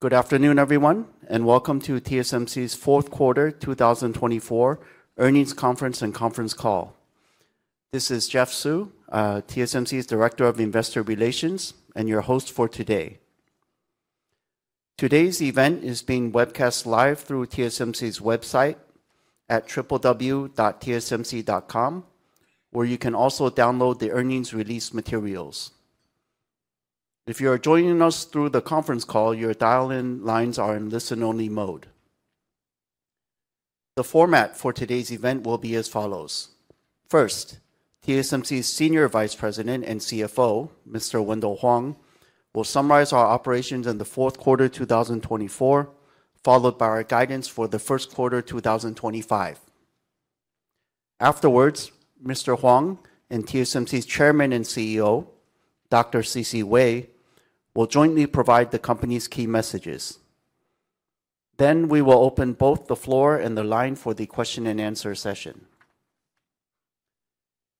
Good afternoon, everyone, and welcome to TSMC's Fourth Quarter 2024 Earnings Conference and Conference Call. This is Jeff Su, TSMC's Director of Investor Relations, and your host for today. Today's event is being webcast live through TSMC's website at www.tsmc.com, where you can also download the earnings release materials. If you are joining us through the conference call, your dial-in lines are in listen-only mode. The format for today's event will be as follows. First, TSMC's Senior Vice President and CFO, Mr. Wendell Huang, will summarize our operations in the Fourth Quarter 2024, followed by our guidance for the First Quarter 2025. Afterwards, Mr. Huang and TSMC's Chairman and CEO, Dr. C.C. Wei, will jointly provide the company's key messages. Then we will open both the floor and the line for the question-and-answer session.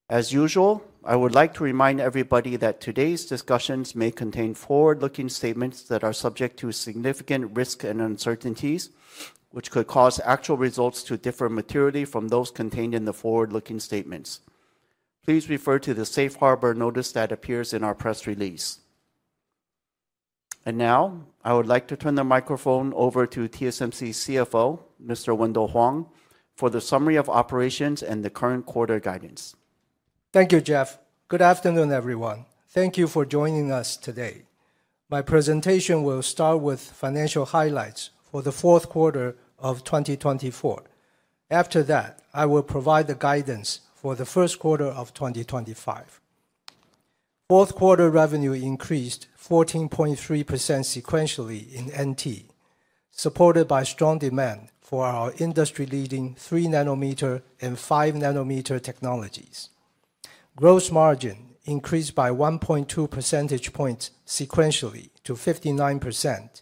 As usual, I would like to remind everybody that today's discussions may contain forward-looking statements that are subject to significant risk and uncertainties, which could cause actual results to differ materially from those contained in the forward-looking statements. Please refer to the safe harbor notice that appears in our press release. And now, I would like to turn the microphone over to TSMC's CFO, Mr. Wendell Huang, for the summary of operations and the current quarter guidance. Thank you, Jeff. Good afternoon, everyone. Thank you for joining us today. My presentation will start with financial highlights for the Fourth Quarter of 2024. After that, I will provide the guidance for the First Quarter of 2025. Fourth Quarter revenue increased 14.3% sequentially in TWD, supported by strong demand for our industry-leading 3-nanometer and 5-nanometer technologies. Gross margin increased by 1.2 percentage points sequentially to 59%,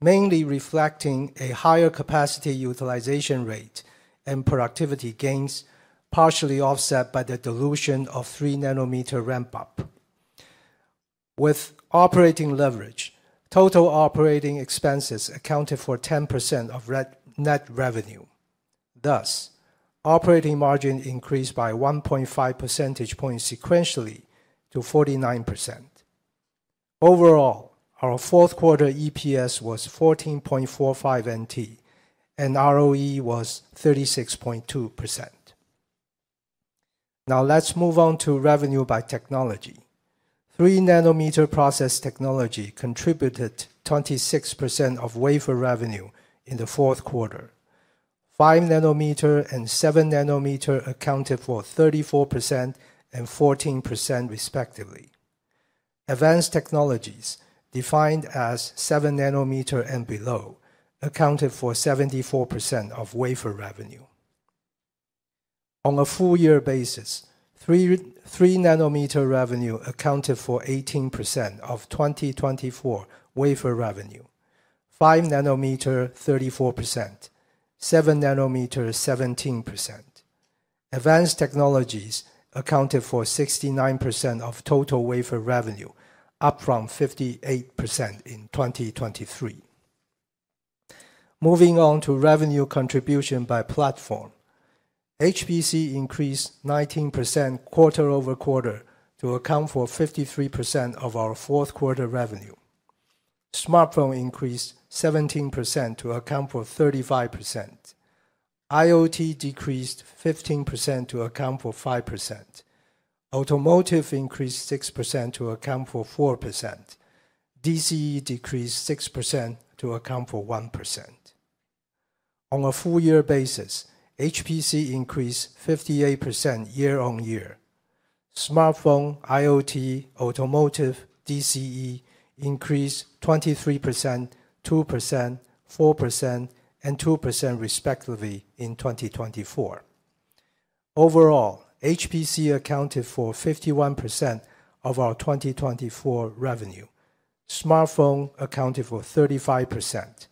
mainly reflecting a higher capacity utilization rate and productivity gains, partially offset by the dilution of 3-nanometer ramp-up. With operating leverage, total operating expenses accounted for 10% of net revenue. Thus, operating margin increased by 1.5 percentage points sequentially to 49%. Overall, our Fourth Quarter EPS was 14.45 NT, and ROE was 36.2%. Now, let's move on to revenue by technology. 3-nanometer process technology contributed 26% of wafer revenue in the Fourth Quarter. 5-nanometer and 7-nanometer accounted for 34% and 14%, respectively. Advanced technologies, defined as 7-nanometer and below, accounted for 74% of wafer revenue. On a full-year basis, 3-nanometer revenue accounted for 18% of 2024 wafer revenue. 5-nanometer, 34%. 7-nanometer, 17%. Advanced technologies accounted for 69% of total wafer revenue, up from 58% in 2023. Moving on to revenue contribution by platform. HPC increased 19% quarter over quarter to account for 53% of our fourth quarter revenue. Smartphone increased 17% to account for 35%. IoT decreased 15% to account for 5%. Automotive increased 6% to account for 4%. DCE decreased 6% to account for 1%. On a full-year basis, HPC increased 58% year-on-year. Smartphone, IoT, automotive, DCE increased 23%, 2%, 4%, and 2%, respectively, in 2024. Overall, HPC accounted for 51% of our 2024 revenue. Smartphone accounted for 35%.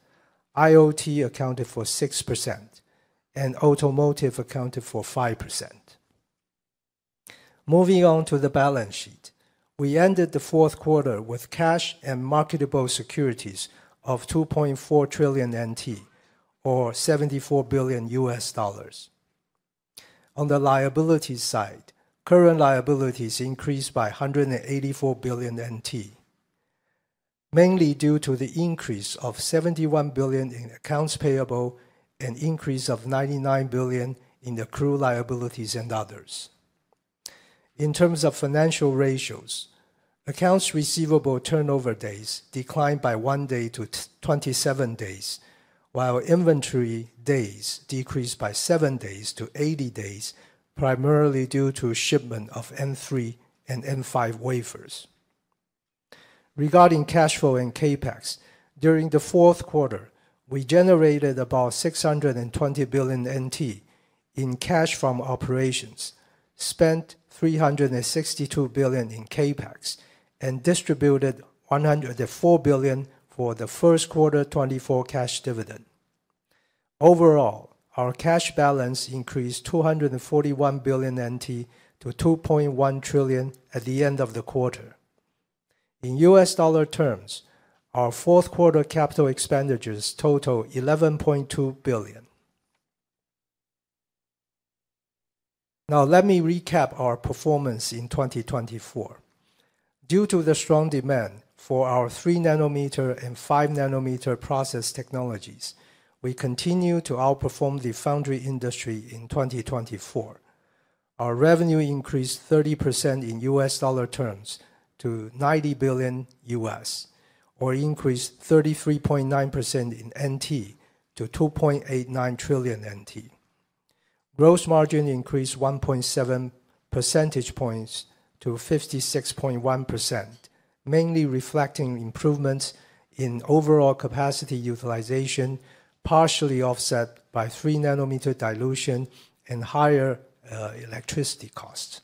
IoT accounted for 6%, and automotive accounted for 5%. Moving on to the balance sheet, we ended the Fourth Quarter with cash and marketable securities of NT$2.4 trillion, or $74 billion. On the liabilities side, current liabilities increased by NT$184 billion, mainly due to the increase of NT$71 billion in accounts payable and increase of NT$99 billion in accrued liabilities and others. In terms of financial ratios, accounts receivable turnover days declined by one day to 27 days, while inventory days decreased by seven days to 80 days, primarily due to shipment of N3 and N5 wafers. Regarding cash flow and CAPEX, during the Fourth Quarter, we generated about NT$620 billion in cash from operations, spent NT$362 billion in CAPEX, and distributed NT$104 billion for the First Quarter 2024 cash dividend. Overall, our cash balance increased NT$241 billion to NT$2.1 trillion at the end of the quarter. In U.S. dollar terms, our fourth quarter capital expenditures total $11.2 billion. Now, let me recap our performance in 2024. Due to the strong demand for our 3-nanometer and 5-nanometer process technologies, we continue to outperform the foundry industry in 2024. Our revenue increased 30% in U.S. dollar terms to $90 billion, or increased 33.9% in NT to NT 2.89 trillion. Gross margin increased 1.7 percentage points to 56.1%, mainly reflecting improvements in overall capacity utilization, partially offset by 3-nanometer dilution and higher electricity costs.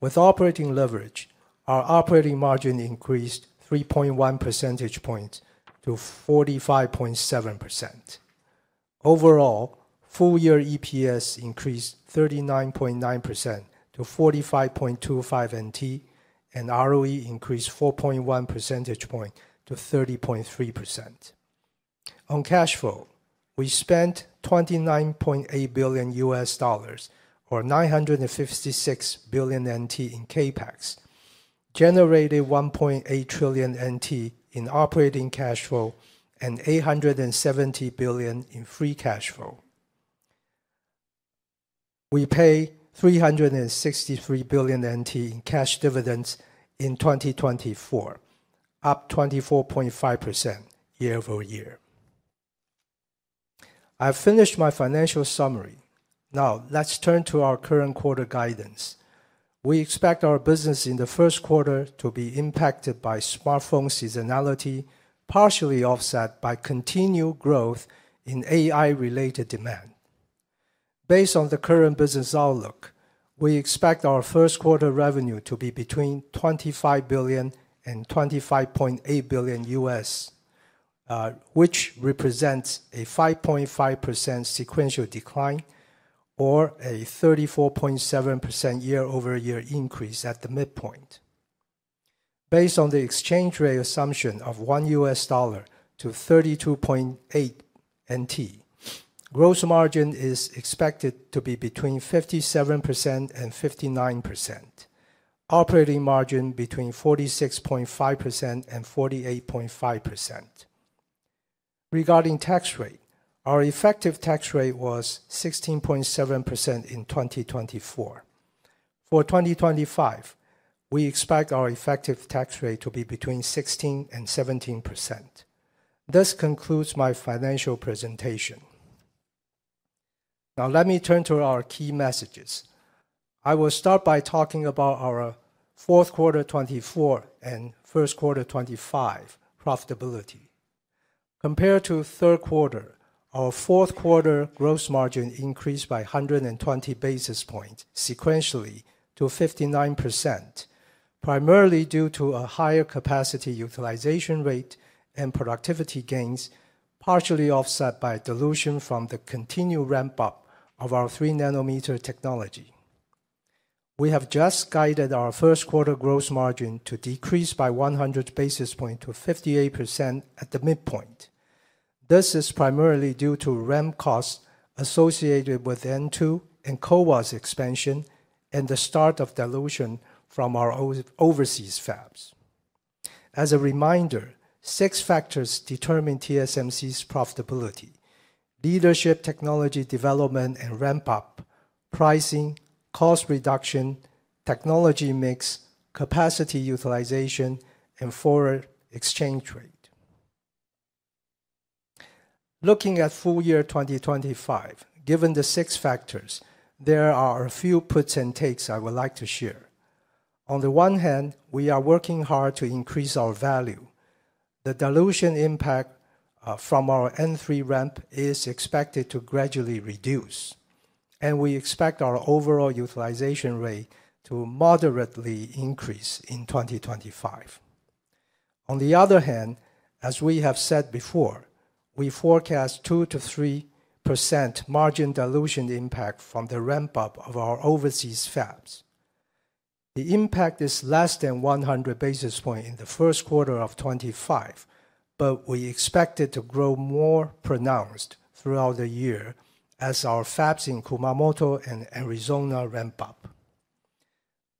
With operating leverage, our operating margin increased 3.1 percentage points to 45.7%. Overall, full-year EPS increased 39.9% to NT 45.25, and ROE increased 4.1 percentage points to 30.3%. On cash flow, we spent $29.8 billion, or NT 956 billion in CapEx, generated NT 1.8 trillion in operating cash flow, and NT 870 billion in free cash flow. We paid NT 363 billion in cash dividends in 2024, up 24.5% year-over-year. I've finished my financial summary. Now, let's turn to our current quarter guidance. We expect our business in the First Quarter to be impacted by smartphone seasonality, partially offset by continued growth in AI-related demand. Based on the current business outlook, we expect our First Quarter revenue to be between $25 billion and $25.8 billion, which represents a 5.5% sequential decline, or a 34.7% year-over-year increase at the midpoint. Based on the exchange rate assumption of 1 US dollar to 32.8 NT, gross margin is expected to be between 57% and 59%, operating margin between 46.5% and 48.5%. Regarding tax rate, our effective tax rate was 16.7% in 2024. For 2025, we expect our effective tax rate to be between 16% and 17%. This concludes my financial presentation. Now, let me turn to our key messages. I will start by talking about our fourth quarter 2024 and first quarter 2025 profitability. Compared to third quarter, our fourth quarter gross margin increased by 120 basis points sequentially to 59%, primarily due to a higher capacity utilization rate and productivity gains, partially offset by dilution from the continued ramp-up of our 3-nanometer technology. We have just guided our first quarter gross margin to decrease by 100 basis points to 58% at the midpoint. This is primarily due to R&D costs associated with N2 and CoWoS expansion and the start of dilution from our overseas fabs. As a reminder, six factors determine TSMC's profitability: leadership, technology development, and ramp-up, pricing, cost reduction, technology mix, capacity utilization, and forward exchange rate. Looking at full year 2025, given the six factors, there are a few puts and takes I would like to share. On the one hand, we are working hard to increase our value. The dilution impact from our N3 ramp is expected to gradually reduce, and we expect our overall utilization rate to moderately increase in 2025. On the other hand, as we have said before, we forecast 2% to 3% margin dilution impact from the ramp-up of our overseas fabs. The impact is less than 100 basis points in the first quarter of 2025, but we expect it to grow more pronounced throughout the year as our fabs in Kumamoto and Arizona ramp up.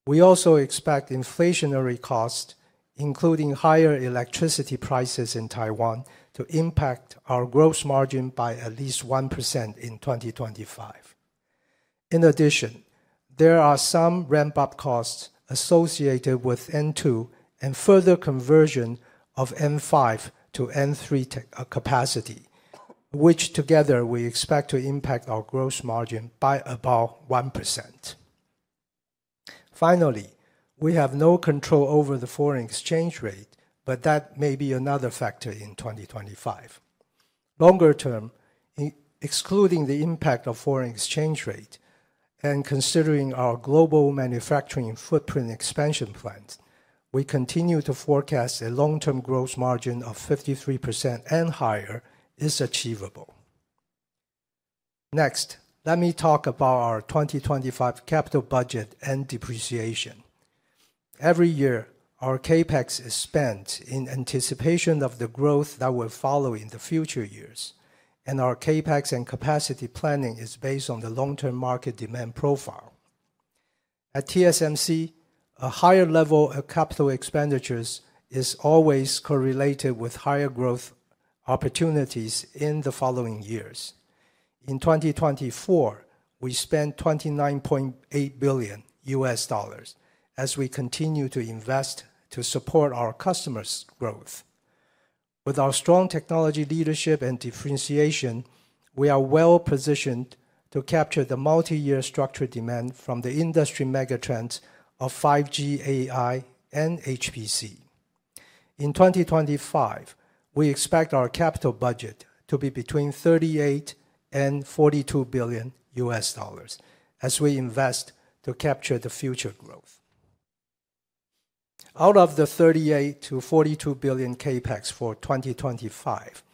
We also expect inflationary costs, including higher electricity prices in Taiwan, to impact our gross margin by at least 1% in 2025. In addition, there are some ramp-up costs associated with N2 and further conversion of N5 to N3 capacity, which together we expect to impact our gross margin by about 1%. Finally, we have no control over the foreign exchange rate, but that may be another factor in 2025. Longer term, excluding the impact of foreign exchange rate and considering our global manufacturing footprint expansion plans, we continue to forecast a long-term gross margin of 53% and higher is achievable. Next, let me talk about our 2025 capital budget and depreciation. Every year, our CapEx is spent in anticipation of the growth that will follow in the future years, and our CapEx and capacity planning is based on the long-term market demand profile. At TSMC, a higher level of capital expenditures is always correlated with higher growth opportunities in the following years. In 2024, we spent $29.8 billion as we continue to invest to support our customers' growth. With our strong technology leadership and differentiation, we are well positioned to capture the multi-year structured demand from the industry megatrends of 5G, AI, and HPC. In 2025, we expect our capital budget to be between $38 billion and $42 billion as we invest to capture the future growth. Out of the $38-$42 billion CAPEX for 2025,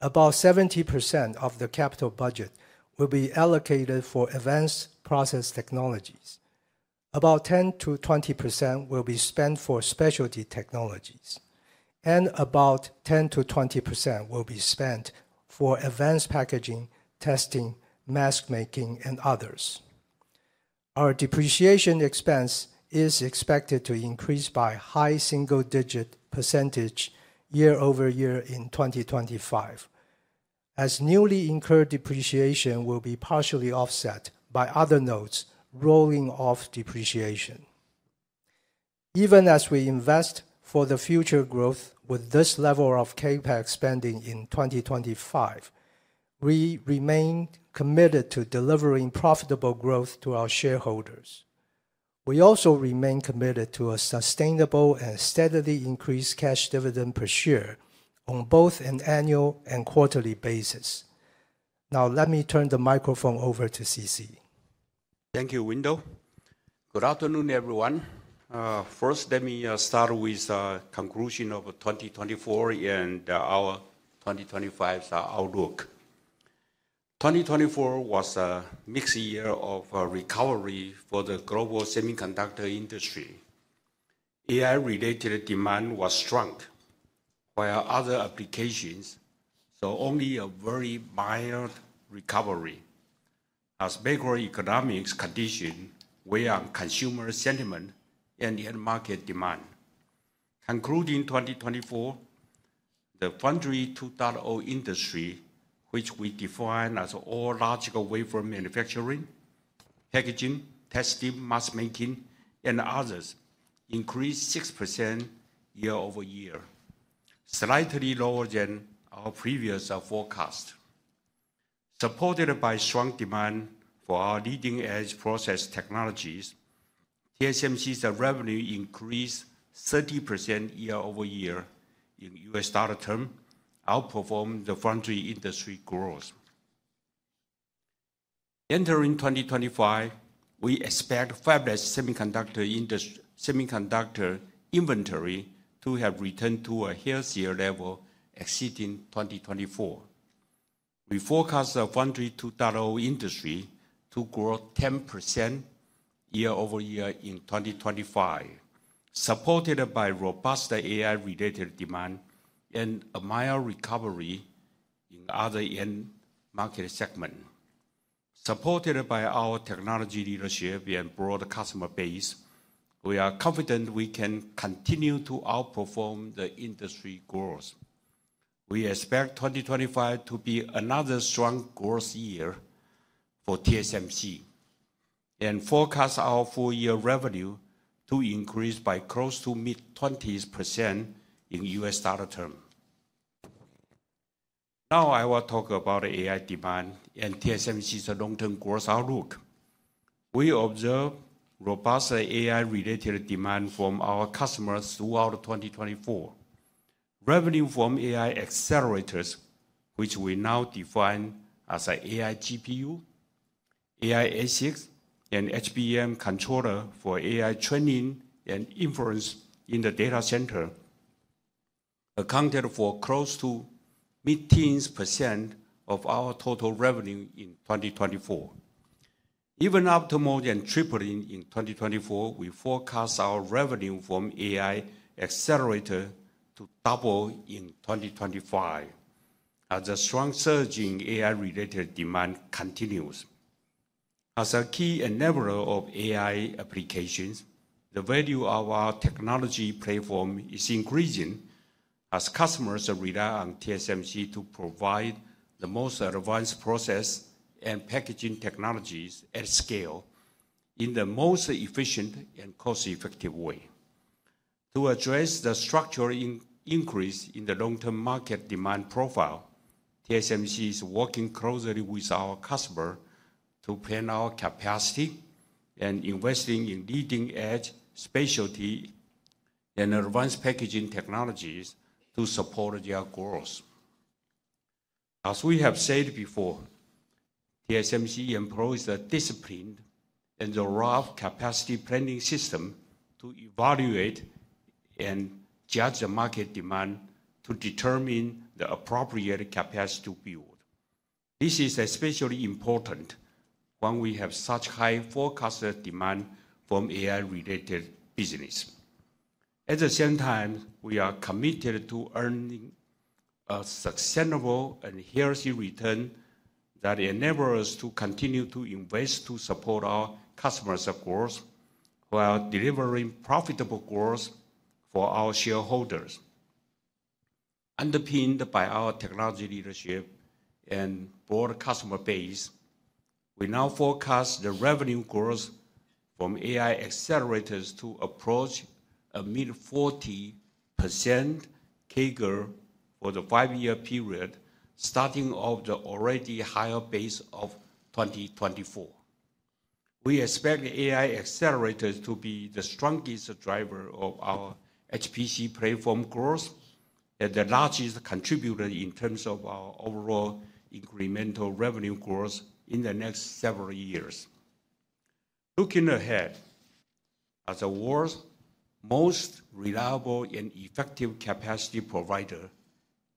about 70% of the capital budget will be allocated for advanced process technologies. About 10%-20% will be spent for specialty technologies, and about 10%-20% will be spent for advanced packaging, testing, mask making, and others. Our depreciation expense is expected to increase by a high single-digit % year-over-year in 2025, as newly incurred depreciation will be partially offset by other nodes rolling off depreciation. Even as we invest for the future growth with this level of CAPEX spending in 2025, we remain committed to delivering profitable growth to our shareholders. We also remain committed to a sustainable and steadily increased cash dividend per share on both an annual and quarterly basis. Now, let me turn the microphone over to CC. Thank you, Wendell. Good afternoon, everyone. First, let me start with the conclusion of 2024 and our 2025 outlook. 2024 was a mixed year of recovery for the global semiconductor industry. AI-related demand was strong, while other applications saw only a very mild recovery. As macroeconomic conditions weigh on consumer sentiment and market demand. Concluding 2024, the Foundry 2.0 industry, which we define as all logic wafer manufacturing, packaging, testing, mask making, and others, increased 6% year-over-year, slightly lower than our previous forecast. Supported by strong demand for our leading-edge process technologies, TSMC's revenue increased 30% year-over-year in U.S. dollar terms, outperforming the foundry industry growth. Entering 2025, we expect fabless semiconductor inventory to have returned to a healthier level exceeding 2024. We forecast the Foundry 2.0 industry to grow 10% year-over-year in 2025, supported by robust AI-related demand and a mild recovery in other end market segments. Supported by our technology leadership and broad customer base, we are confident we can continue to outperform the industry growth. We expect 2025 to be another strong growth year for TSMC and forecast our full-year revenue to increase by close to mid-20% in U.S. dollar terms. Now, I will talk about AI demand and TSMC's long-term growth outlook. We observe robust AI-related demand from our customers throughout 2024. Revenue from AI accelerators, which we now define as AI GPU, AI ASICs, and HBM controller for AI training and inference in the data center, accounted for close to 18% of our total revenue in 2024. Even after more than tripling in 2024, we forecast our revenue from AI accelerator to double in 2025 as the strong surge in AI-related demand continues. As a key enabler of AI applications, the value of our technology platform is increasing as customers rely on TSMC to provide the most advanced process and packaging technologies at scale in the most efficient and cost-effective way. To address the structural increase in the long-term market demand profile, TSMC is working closely with our customers to plan our capacity and investing in leading-edge specialty and advanced packaging technologies to support their growth. As we have said before, TSMC employs a disciplined and robust capacity planning system to evaluate and judge the market demand to determine the appropriate capacity to build. This is especially important when we have such high forecasted demand from AI-related business. At the same time, we are committed to earning a sustainable and healthy return that enables us to continue to invest to support our customers' growth while delivering profitable growth for our shareholders. Underpinned by our technology leadership and broad customer base, we now forecast the revenue growth from AI accelerators to approach a mid-40% CAGR for the five-year period, starting off the already higher base of 2024. We expect AI accelerators to be the strongest driver of our HPC platform growth and the largest contributor in terms of our overall incremental revenue growth in the next several years. Looking ahead, as the world's most reliable and effective capacity provider,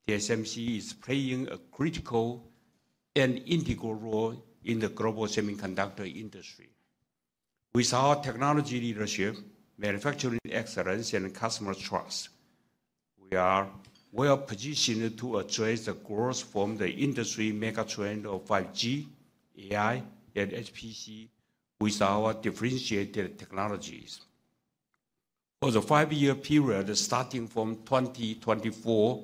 TSMC is playing a critical and integral role in the global semiconductor industry. With our technology leadership, manufacturing excellence, and customer trust, we are well positioned to address the growth from the industry megatrend of 5G, AI, and HPC with our differentiated technologies. For the five-year period starting from 2024,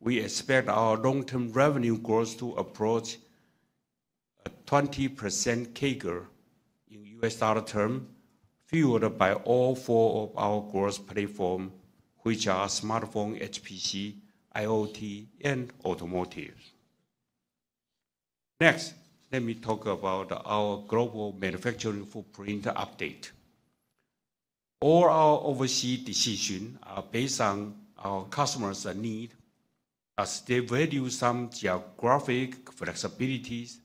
we expect our long-term revenue growth to approach a 20% CAGR in U.S. dollar terms, fueled by all four of our growth platforms, which are smartphone, HPC, IoT, and automotive. Next, let me talk about our global manufacturing footprint update. All our overseas decisions are based on our customers' needs, as they value some geographic flexibilities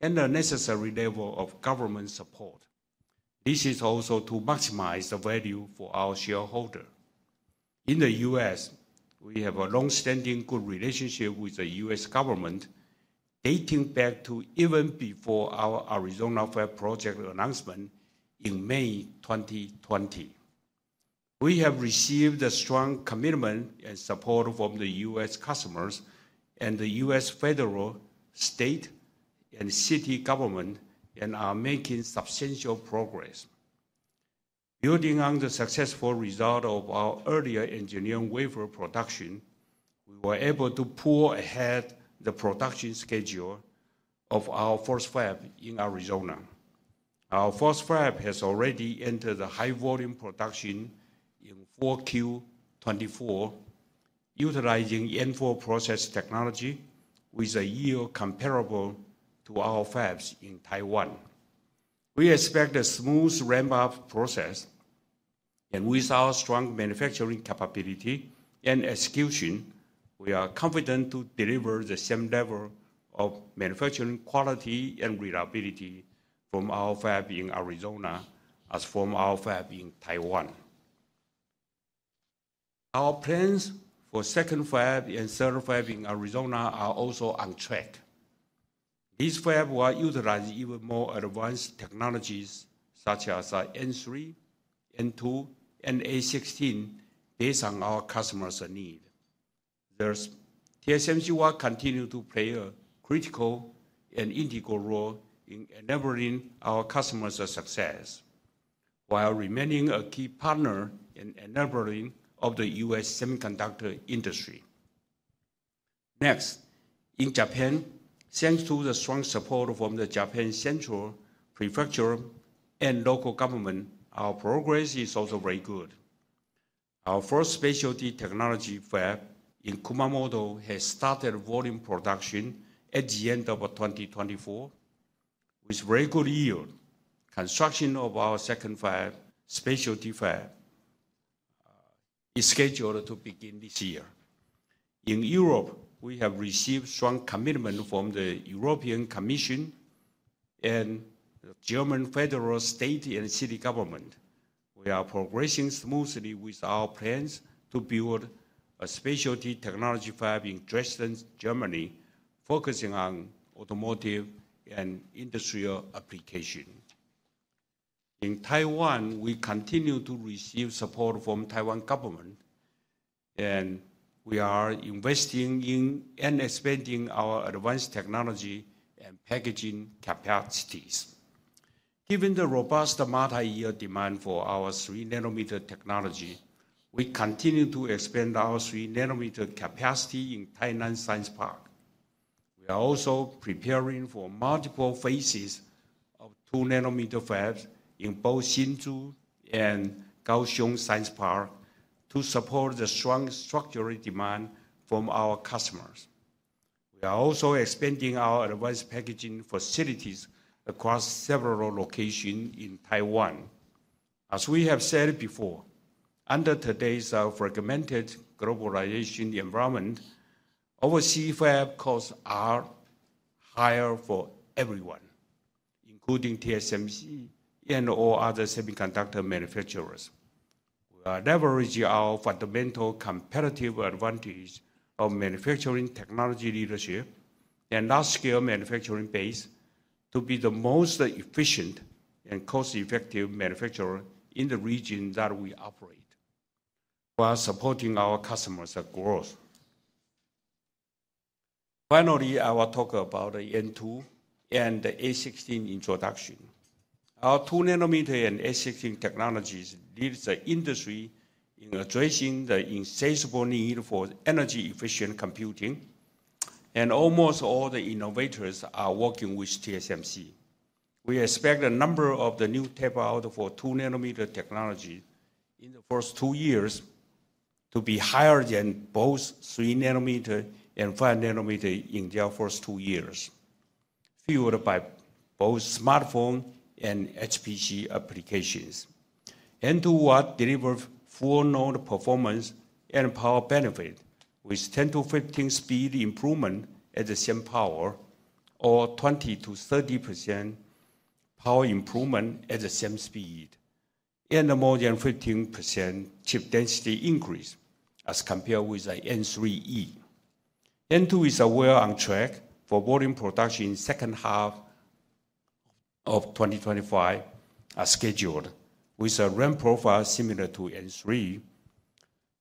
and the necessary level of government support. This is also to maximize the value for our shareholders. In the U.S., we have a long-standing good relationship with the U.S. government, dating back to even before our Arizona fab project announcement in May 2020. We have received a strong commitment and support from the U.S. customers and the U.S. federal, state, and city government and are making substantial progress. Building on the successful result of our earlier engineering wafer production, we were able to pull ahead the production schedule of our first fab in Arizona. Our first fab has already entered the high-volume production in 4Q24, utilizing N4 process technology with a yield comparable to our fabs in Taiwan. We expect a smooth ramp-up process, and with our strong manufacturing capability and execution, we are confident to deliver the same level of manufacturing quality and reliability from our fab in Arizona as from our fab in Taiwan. Our plans for second fab and third fab in Arizona are also on track. These fabs will utilize even more advanced technologies such as N3, N2, and A16 based on our customers' needs. TSMC will continue to play a critical and integral role in enabling our customers' success while remaining a key partner in enabling the U.S. semiconductor industry. Next, in Japan, thanks to the strong support from the Japanese government and local government, our progress is also very good. Our first specialty technology fab in Kumamoto has started volume production at the end of 2024 with very good yield. Construction of our second fab, specialty fab, is scheduled to begin this year. In Europe, we have received strong commitment from the European Commission and the German federal, state, and city government. We are progressing smoothly with our plans to build a specialty technology fab in Dresden, Germany, focusing on automotive and industrial applications. In Taiwan, we continue to receive support from the Taiwan government, and we are investing in and expanding our advanced technology and packaging capacities. Given the robust multi-year demand for our 3-nanometer technology, we continue to expand our 3-nanometer capacity in Tainan Science Park. We are also preparing for multiple phases of 2-nanometer fabs in both Hsinchu Science Park and Kaohsiung Science Park to support the strong structural demand from our customers. We are also expanding our advanced packaging facilities across several locations in Taiwan. As we have said before, under today's fragmented globalization environment, overseas fab costs are higher for everyone, including TSMC and all other semiconductor manufacturers. We are leveraging our fundamental competitive advantage of manufacturing technology leadership and large-scale manufacturing base to be the most efficient and cost-effective manufacturer in the region that we operate while supporting our customers' growth. Finally, I will talk about the N2 and the A16 introduction. Our 2-nanometer and A16 technologies lead the industry in addressing the insatiable need for energy-efficient computing, and almost all the innovators are working with TSMC. We expect a number of the new tape-outs for 2-nanometer technology in the first two years to be higher than both 3-nanometer and 5-nanometer in their first two years, fueled by both smartphone and HPC applications. N2 will deliver full-chip performance and power benefit with 10%-15% speed improvement at the same power, or 20%-30% power improvement at the same speed, and more than 15% chip density increase as compared with the N3E. N2 is well on track for volume production in the second half of 2025 as scheduled, with a ramp profile similar to N3.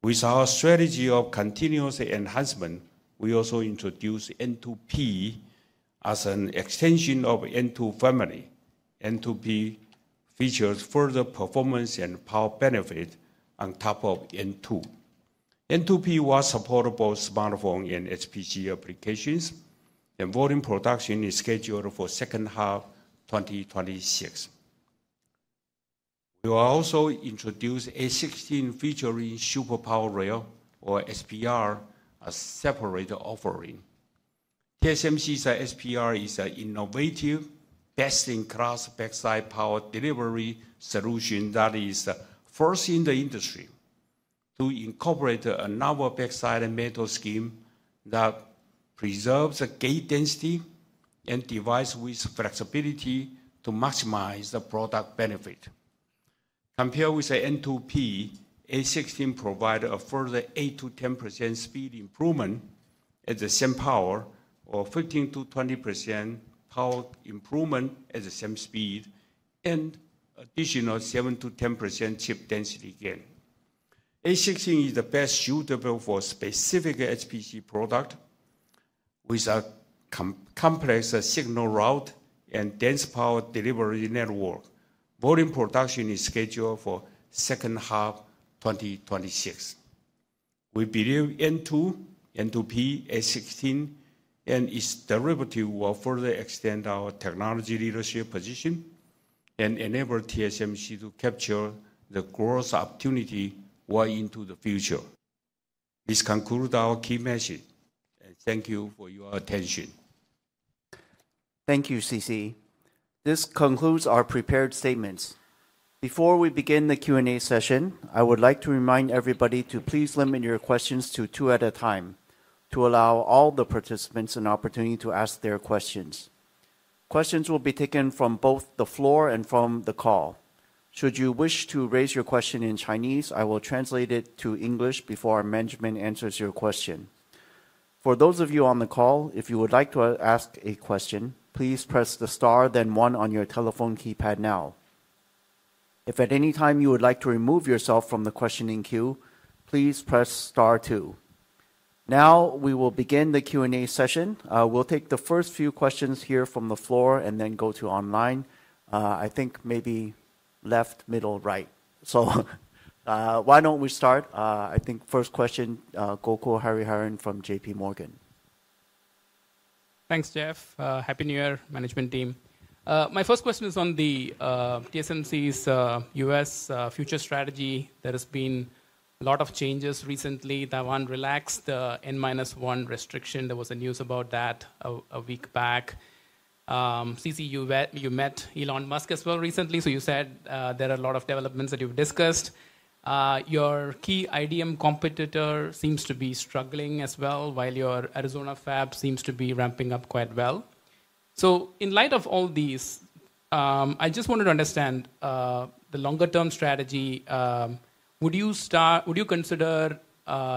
With our strategy of continuous enhancement, we also introduced N2P as an extension of N2 family. N2P features further performance and power benefit on top of N2. N2P will support both smartphone and HPC applications, and volume production is scheduled for the second half of 2026. We will also introduce A16 featuring Super Power Rail, or SPR, as a separate offering. TSMC's SPR is an innovative, best-in-class backside power delivery solution that is first in the industry to incorporate a novel backside metal scheme that preserves the gate density and devices with flexibility to maximize the product benefit. Compared with N2P, A16 provides a further 8%-10% speed improvement at the same power, or 15%-20% power improvement at the same speed, and an additional 7%-10% chip density gain. A16 is the best suitable for specific HPC products with a complex signal route and dense power delivery network. Volume production is scheduled for the second half of 2026. We believe N2, N2P, A16, and its derivatives will further extend our technology leadership position and enable TSMC to capture the growth opportunity well into the future. This concludes our key message. Thank you for your attention. Thank you, C.C. This concludes our prepared statements. Before we begin the Q&A session, I would like to remind everybody to please limit your questions to two at a time to allow all the participants an opportunity to ask their questions. Questions will be taken from both the floor and from the call. Should you wish to raise your question in Chinese, I will translate it to English before our management answers your question. For those of you on the call, if you would like to ask a question, please press the star then one on your telephone keypad now. If at any time you would like to remove yourself from the questioning queue, please press star two. Now we will begin the Q&A session. We'll take the first few questions here from the floor and then go to online. I think maybe left, middle, right. So why don't we start? I think first question, Gokul Hariharan from J.P. Morgan. Thanks, Jeff. Happy New Year, management team. My first question is on TSMC's U.S. future strategy. There have been a lot of changes recently. Taiwan relaxed the N-1 restriction. There was news about that a week back. C.C., you met Elon Musk as well recently, so you said there are a lot of developments that you've discussed. Your key IDM competitor seems to be struggling as well, while your Arizona fab seems to be ramping up quite well. So in light of all these, I just wanted to understand the longer-term strategy. Would you consider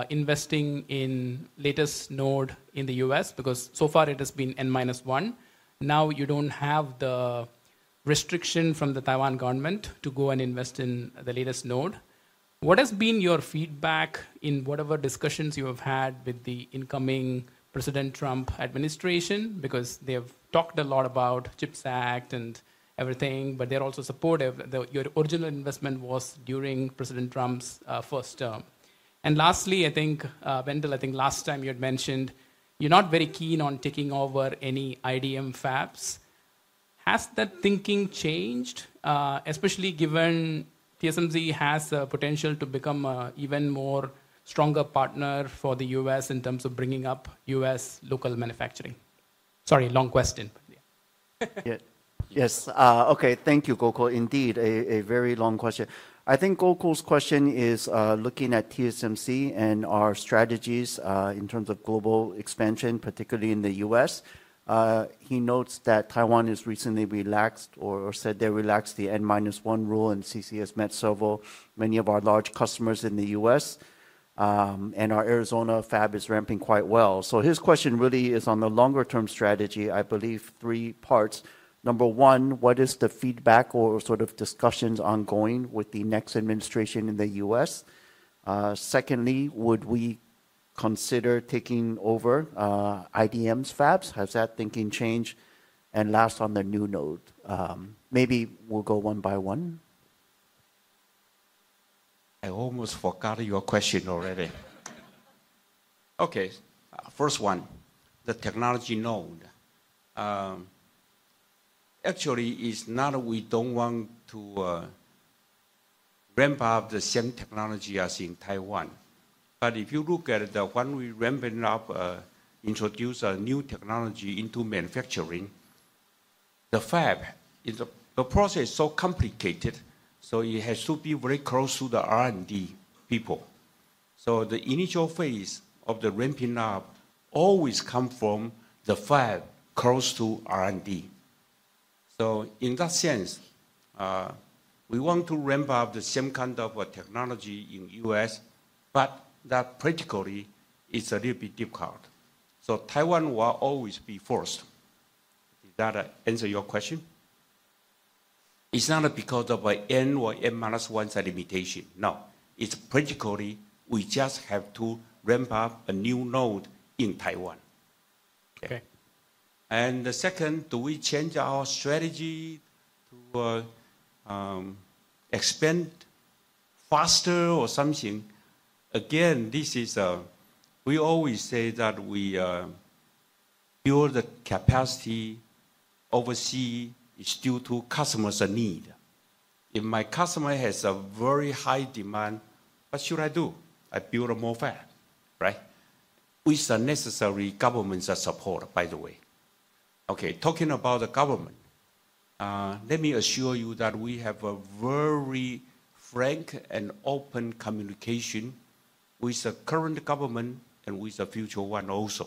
investing in the latest node in the U.S.? Because so far it has been N-1. Now you don't have the restriction from the Taiwan government to go and invest in the latest node. What has been your feedback in whatever discussions you have had with the incoming President Trump administration? Because they have talked a lot about the CHIPS Act and everything, but they're also supportive. Your original investment was during President Trump's first term. Lastly, I think, Wendell, I think last time you had mentioned you're not very keen on taking over any IDM fabs. Has that thinking changed, especially given TSMC has the potential to become an even stronger partner for the U.S. in terms of bringing up U.S. local manufacturing? Sorry, long question. Yes. Okay, thank you, Gokul. Indeed, a very long question. I think Gokul's question is looking at TSMC and our strategies in terms of global expansion, particularly in the U.S. He notes that Taiwan has recently relaxed, or said they relaxed the N-1 rule, and C.C. has met several many of our large customers in the U.S., and our Arizona fab is ramping quite well. So his question really is on the longer-term strategy. I believe three parts. Number one, what is the feedback or sort of discussions ongoing with the next administration in the U.S.? Secondly, would we consider taking over IDM's fabs? Has that thinking changed? And last on the new node. Maybe we'll go one by one. I almost forgot your question already. Okay, first one, the technology node. Actually, it's not we don't want to ramp up the same technology as in Taiwan. But if you look at the one we ramped up, introduced a new technology into manufacturing, the fab, the process is so complicated, so it has to be very close to the R&D people. So the initial phase of the ramping up always comes from the fab close to R&D. So in that sense, we want to ramp up the same kind of technology in the U.S., but that practically is a little bit difficult. So Taiwan will always be first. Does that answer your question? It's not because of N or N-1 limitation. No, it's practically we just have to ramp up a new node in Taiwan. Okay. And the second, do we change our strategy to expand faster or something? Again, this is we always say that we build the capacity overseas due to customers' need. If my customer has a very high demand, what should I do? I build a more fab, right? With the necessary government support, by the way. Okay, talking about the government, let me assure you that we have a very frank and open communication with the current government and with the future one also.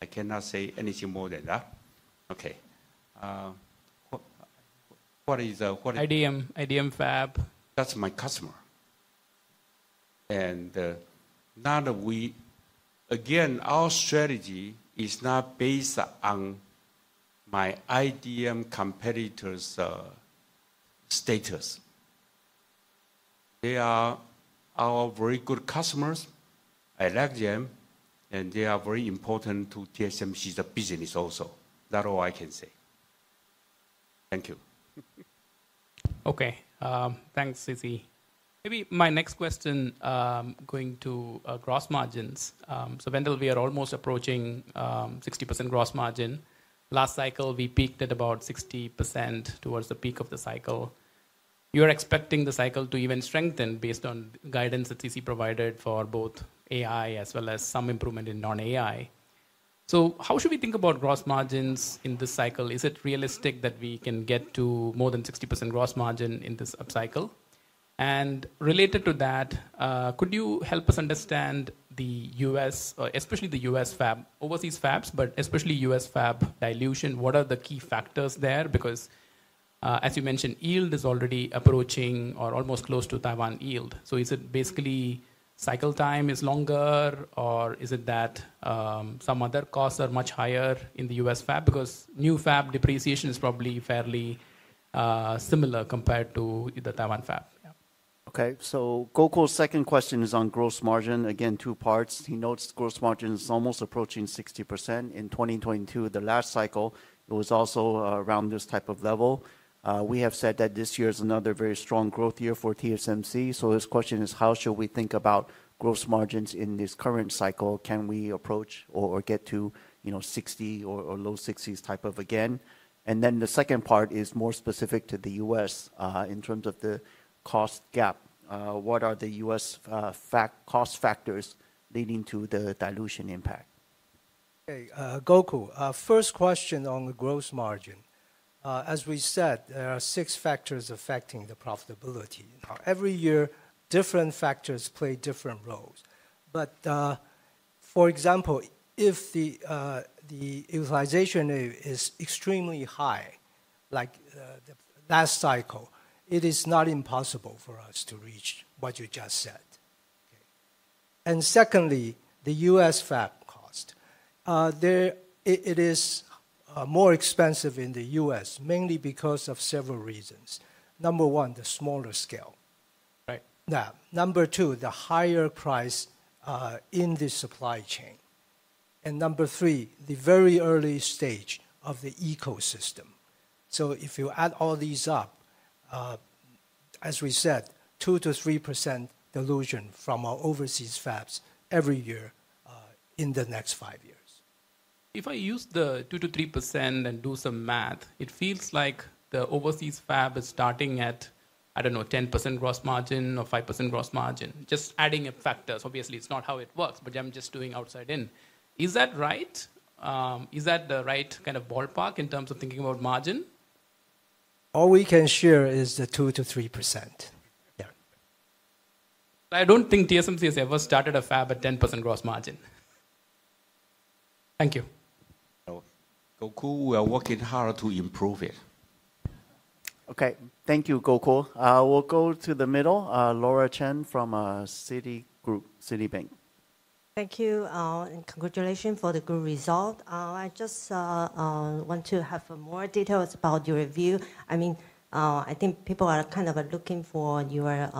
I cannot say anything more than that. Okay. What is the IDM fab? That's my customer. And now that we again, our strategy is not based on my IDM competitor's status. They are our very good customers. I like them, and they are very important to TSMC's business also. That's all I can say. Thank you. Okay, thanks, C.C. Maybe my next question going to gross margins. So Wendell, we are almost approaching 60% gross margin. Last cycle, we peaked at about 60% towards the peak of the cycle. You're expecting the cycle to even strengthen based on guidance that C.C. provided for both AI as well as some improvement in non-AI. So how should we think about gross margins in this cycle? Is it realistic that we can get to more than 60% gross margin in this upcycle? And related to that, could you help us understand the U.S., especially the U.S. fab, overseas fabs, but especially U.S. fab dilution? What are the key factors there? Because as you mentioned, yield is already approaching or almost close to Taiwan yield. So, is it basically cycle time is longer, or is it that some other costs are much higher in the U.S. fab? Because new fab depreciation is probably fairly similar compared to the Taiwan fab. Okay, so Gokul's second question is on gross margin. Again, two parts. He notes gross margin is almost approaching 60%. In 2022, the last cycle, it was also around this type of level. We have said that this year is another very strong growth year for TSMC. So his question is, how should we think about gross margins in this current cycle? Can we approach or get to 60 or low 60s type of again? And then the second part is more specific to the U.S. in terms of the cost gap. What are the U.S. cost factors leading to the dilution impact? Okay, Gokul, first question on the gross margin. As we said, there are six factors affecting the profitability. Every year, different factors play different roles. But for example, if the utilization is extremely high, like the last cycle, it is not impossible for us to reach what you just said. And secondly, the U.S. fab cost. It is more expensive in the U.S., mainly because of several reasons. Number one, the smaller scale. Right. Now, number two, the higher price in the supply chain. And number three, the very early stage of the ecosystem. So if you add all these up, as we said, 2%-3% dilution from our overseas fabs every year in the next five years. If I use the 2%-3% and do some math, it feels like the overseas fab is starting at, I don't know, 10% gross margin or 5% gross margin. Just adding a factor. Obviously, it's not how it works, but I'm just doing outside in. Is that right? Is that the right kind of ballpark in terms of thinking about margin? All we can share is the 2%-3%. Yeah. I don't think TSMC has ever started a fab at 10% gross margin. Thank you. Gokul, we are working hard to improve it. Okay, thank you, Gokul. We'll go to the middle, Laura Chen from Citi. Thank you and congratulations for the good result. I just want to have more details about your review. I mean, I think people are kind of looking for your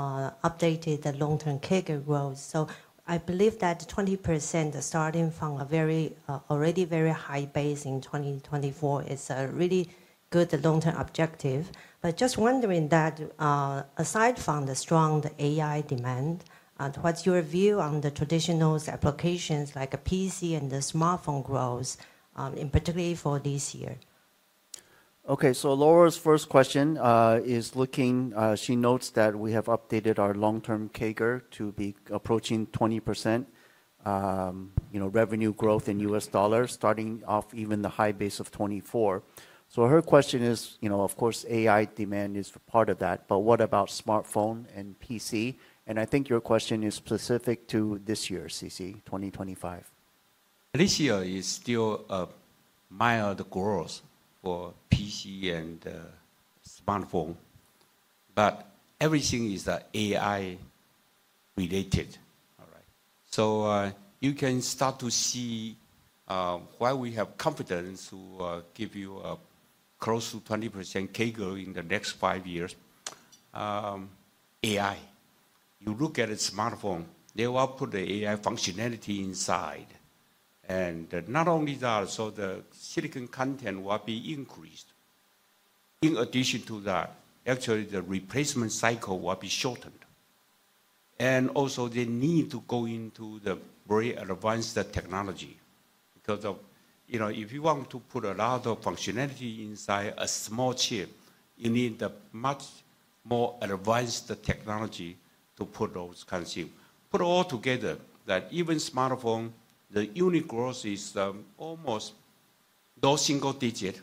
updated long-term kicker growth. So I believe that 20% starting from a very, already very high base in 2024 is a really good long-term objective. But just wondering that aside from the strong AI demand, what's your view on the traditional applications like PC and the smartphone growth, particularly for this year? Okay, so Laura's first question is looking. She notes that we have updated our long-term kicker to be approaching 20% revenue growth in U.S. dollars, starting off even the high base of 24. So her question is, of course, AI demand is part of that, but what about smartphone and PC? And I think your question is specific to this year, C.C., 2025. This year is still a mild growth for PC and smartphone, but everything is AI related. All right, so you can start to see why we have confidence to give you a close to 20% kicker in the next five years. AI. You look at a smartphone, they will put the AI functionality inside. And not only that, so the silicon content will be increased. In addition to that, actually the replacement cycle will be shortened. And also they need to go into the very advanced technology. Because if you want to put a lot of functionality inside a small chip, you need much more advanced technology to put those kinds of things. Put all together that even smartphone, the unit growth is almost no single digit.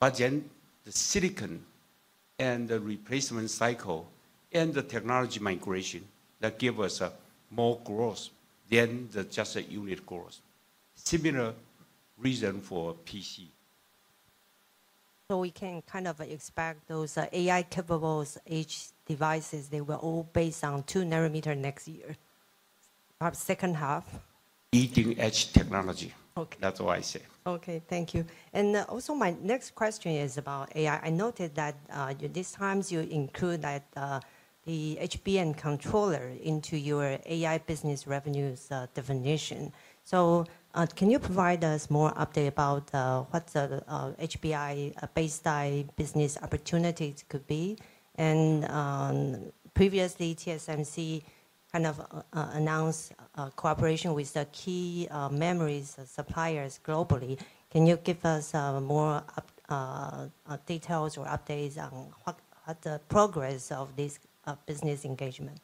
But then the silicon and the replacement cycle and the technology migration that gives us more growth than just a unit growth. Similar reason for PC. So we can kind of expect those AI capable edge devices, they will all base on 2-nanometer next year. Perhaps second half. Leading-edge technology. That's all I say. Okay, thank you. And also my next question is about AI. I noted that these times you include the HBM controller into your AI business revenues definition. So can you provide us more update about what the HBM baseline business opportunities could be? And previously, TSMC kind of announced cooperation with key memory suppliers globally. Can you give us more details or updates on the progress of this business engagement?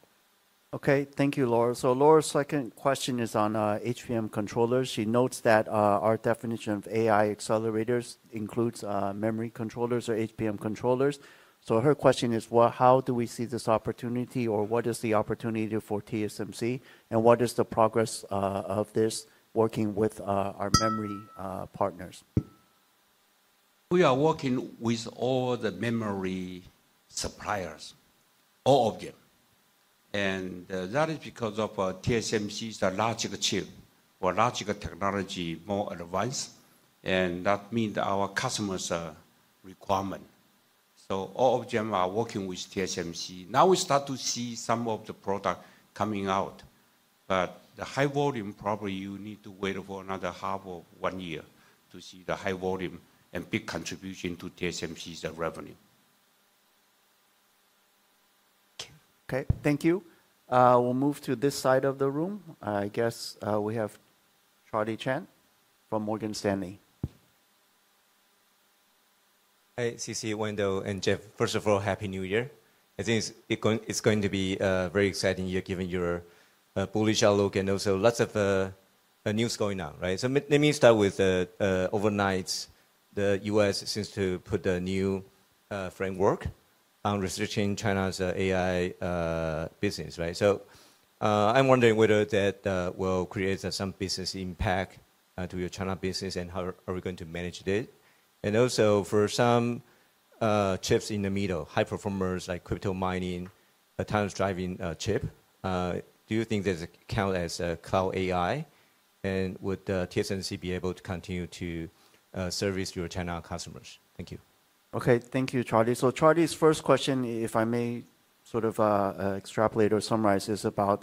Okay, thank you, Laura. So Laura's second question is on HBM controllers. She notes that our definition of AI accelerators includes memory controllers or HBM controllers. So her question is, how do we see this opportunity or what is the opportunity for TSMC and what is the progress of this working with our memory partners? We are working with all the memory suppliers, all of them. And that is because of TSMC's logic chip or logic technology more advanced. And that means our customers' requirement. So all of them are working with TSMC. Now we start to see some of the product coming out. But the high volume probably you need to wait for another half of one year to see the high volume and big contribution to TSMC's revenue. Okay, thank you. We'll move to this side of the room. I guess we have Charlie Chan from Morgan Stanley. Hi, C.C., Wendell and Jeff. First of all, happy New Year. I think it's going to be a very exciting year given your bullish outlook and also lots of news going on, right? So let me start with overnight, the U.S. seems to put a new framework on restricting China's AI business, right? So I'm wondering whether that will create some business impact to your China business and how are we going to manage it? And also for some chips in the middle, high performers like crypto mining, a time-driving chip, do you think that counts as a cloud AI? And would TSMC be able to continue to service your China customers? Thank you. Okay, thank you, Charlie. So Charlie's first question, if I may sort of extrapolate or summarize, is about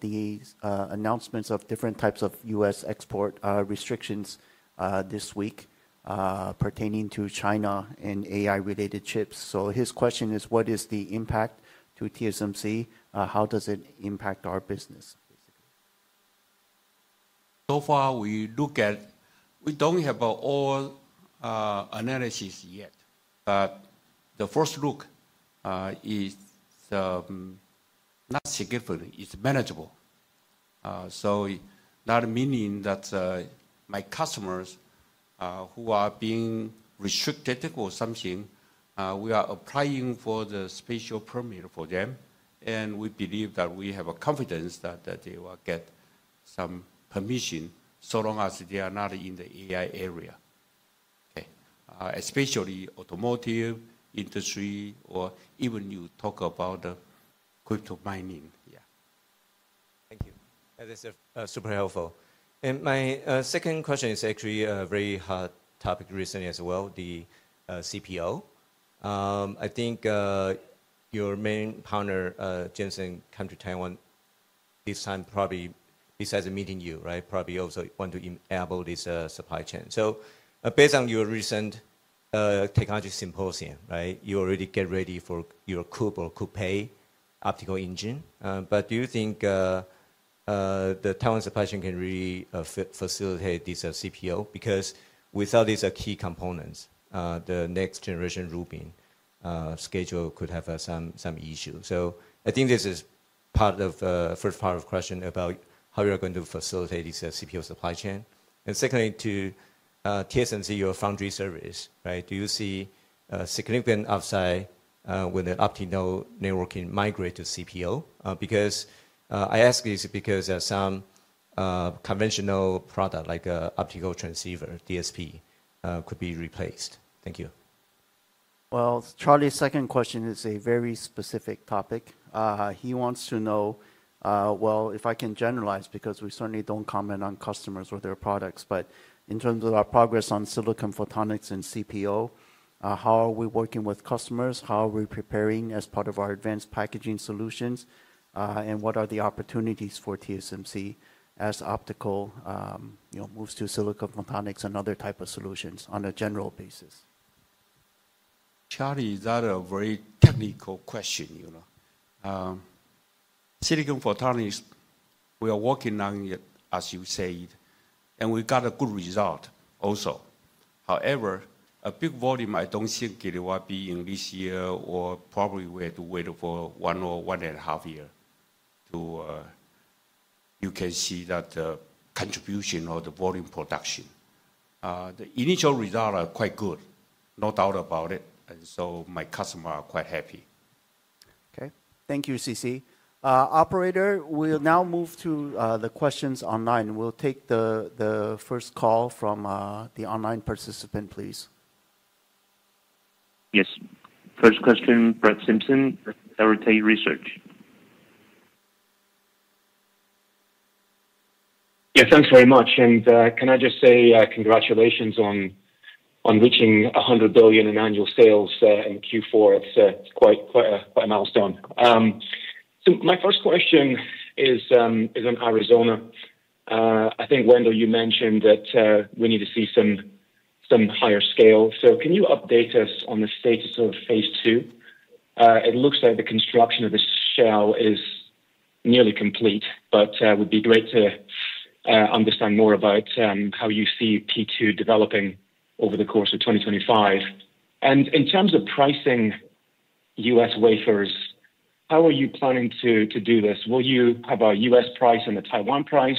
the announcements of different types of U.S. export restrictions this week pertaining to China and AI-related chips. So his question is, what is the impact to TSMC? How does it impact our business? So far, we look at, we don't have all analysis yet, but the first look is not significant. It's manageable. So that meaning that my customers who are being restricted or something, we are applying for the special permit for them. We believe that we have confidence that they will get some permission so long as they are not in the AI area. Okay. Especially automotive industry or even you talk about crypto mining. Yeah. Thank you. That is super helpful. My second question is actually a very hot topic recently as well, the CPO. I think your main partner, Jensen, came to Taiwan this time probably besides meeting you, right? Probably also want to enable this supply chain. Based on your recent technology symposium, right? You already get ready for your COUPE optical engine. But do you think the Taiwan supply chain can really facilitate this CPO? Because without these key components, the next generation Rubin schedule could have some issues. I think this is part of the first part of the question about how you're going to facilitate this CPO supply chain. And secondly, to TSMC, your foundry service, right? Do you see significant upside when the optical networking migrates to CPO? Because I ask this because some conventional product like optical transceiver, DSP, could be replaced. Thank you. Well, Charlie's second question is a very specific topic. He wants to know, well, if I can generalize because we certainly don't comment on customers or their products, but in terms of our progress on silicon photonics and CPO, how are we working with customers? How are we preparing as part of our advanced packaging solutions? And what are the opportunities for TSMC as optical moves to silicon photonics and other types of solutions on a general basis? Charlie, that is a very technical question. Silicon photonics, we are working on it, as you said, and we got a good result also. However, a big volume, I don't think it will be in this year or probably we have to wait for one or one and a half years to you can see that contribution or the volume production. The initial results are quite good, no doubt about it. And so my customers are quite happy. Okay. Thank you, C.C. Operator, we'll now move to the questions online. We'll take the first call from the online participant, please. Yes. First question, Brett Simpson, Arete Research. Yes, thanks very much. And can I just say congratulations on reaching $100 billion in annual sales in Q4. It's quite a milestone. So my first question is in Arizona. I think, Wendell, you mentioned that we need to see some higher scale. So can you update us on the status of phase two? It looks like the construction of the shell is nearly complete, but it would be great to understand more about how you see N2P developing over the course of 2025. And in terms of pricing U.S. wafers, how are you planning to do this? Will you have a U.S. price and a Taiwan price,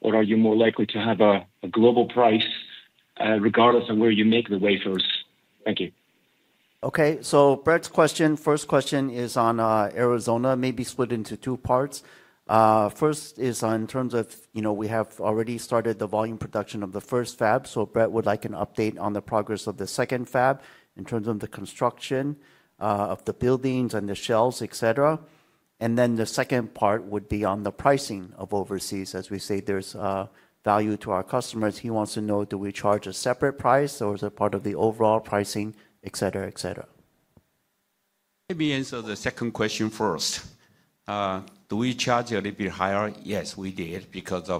or are you more likely to have a global price regardless of where you make the wafers? Thank you. Okay. So Brett's question, first question is on Arizona, maybe split into two parts. First is in terms of we have already started the volume production of the first fab. So Brett would like an update on the progress of the second fab in terms of the construction of the buildings and the shells, etc. And then the second part would be on the pricing of overseas. As we say, there's value to our customers. He wants to know, do we charge a separate price or is it part of the overall pricing? Let me answer the second question first. Do we charge a little bit higher? Yes, we did because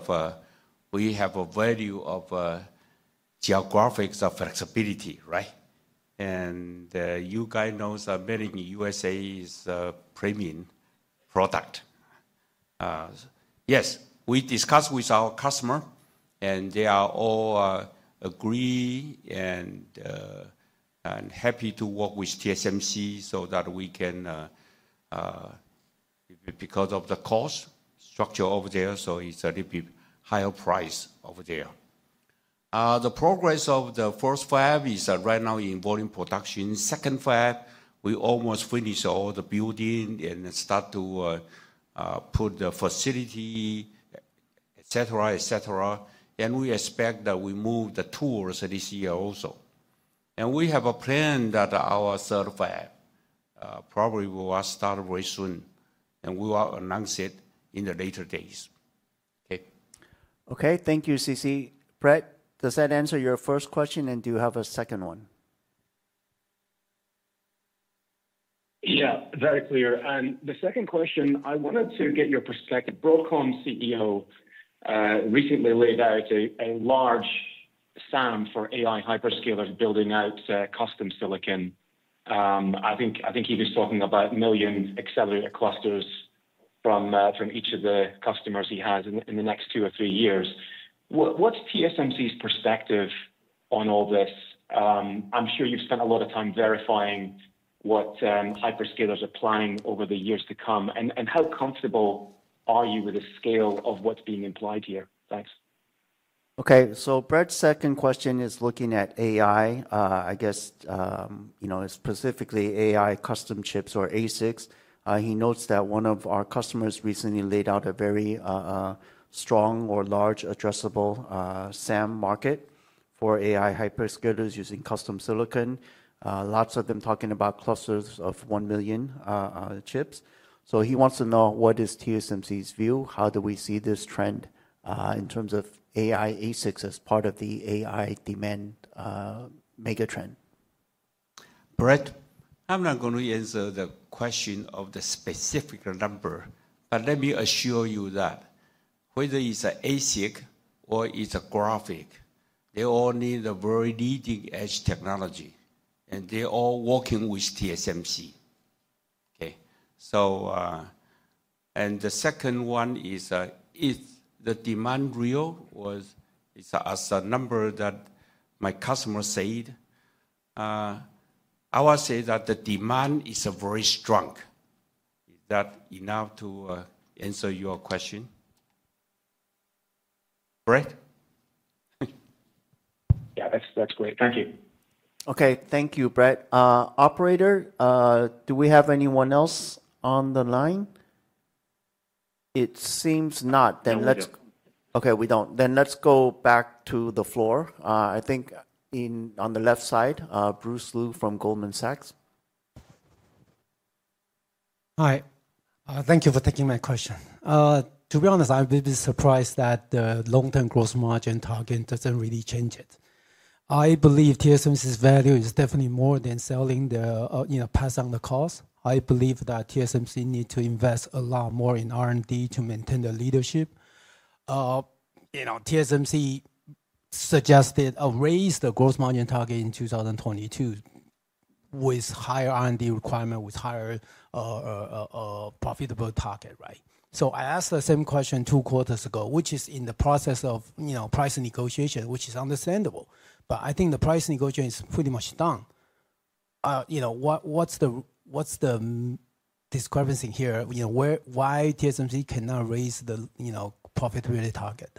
we have a value of geographic flexibility, right? And you guys know that many in the USA is premium product. Yes, we discussed with our customers and they are all agree and happy to work with TSMC so that we can because of the cost structure over there, so it's a little bit higher price over there. The progress of the first fab is right now in volume production. Second fab, we almost finished all the building and start to put the facility. And we expect that we move the tools this year also. And we have a plan that our third fab probably will start very soon. We will announce it in the later days. Okay. Okay, thank you, C.C. Brett, does that answer your first question and do you have a second one? Yeah, very clear. And the second question, I wanted to get your perspective. Broadcom CEO recently laid out a large SAM for AI hyperscalers building out custom silicon. I think he was talking about million accelerator clusters from each of the customers he has in the next two or three years. What's TSMC's perspective on all this? I'm sure you've spent a lot of time verifying what hyperscalers are planning over the years to come. And how comfortable are you with the scale of what's being implied here? Thanks. Okay, so Brett's second question is looking at AI, I guess specifically AI custom chips or ASICs. He notes that one of our customers recently laid out a very strong or large addressable SAM market for AI hyperscalers using custom silicon. Lots of them talking about clusters of 1 million chips. So he wants to know what is TSMC's view? How do we see this trend in terms of AI ASICs as part of the AI demand megatrend? Brett, I'm not going to answer the question of the specific number, but let me assure you that whether it's an ASIC or it's a graphic, they all need a very leading edge technology. And they're all working with TSMC. Okay. And the second one is, is the demand real? It's a number that my customer said. I would say that the demand is very strong. Is that enough to answer your question? Brett? Yeah, that's great. Thank you. Okay, thank you, Brett. Operator, do we have anyone else on the line? It seems not. Then let's, okay, we don't. Then let's go back to the floor. I think on the left side, Bruce Lu from Goldman Sachs. Hi. Thank you for taking my question. To be honest, I'm a bit surprised that the long-term gross margin target doesn't really change it. I believe TSMC's value is definitely more than selling the pass on the cost. I believe that TSMC needs to invest a lot more in R&D to maintain the leadership. TSMC suggested raise the gross margin target in 2022 with higher R&D requirement, with higher profitable target, right? So I asked the same question two quarters ago, which is in the process of price negotiation, which is understandable. But I think the price negotiation is pretty much done. What's the discrepancy here? Why TSMC cannot raise the profitability target?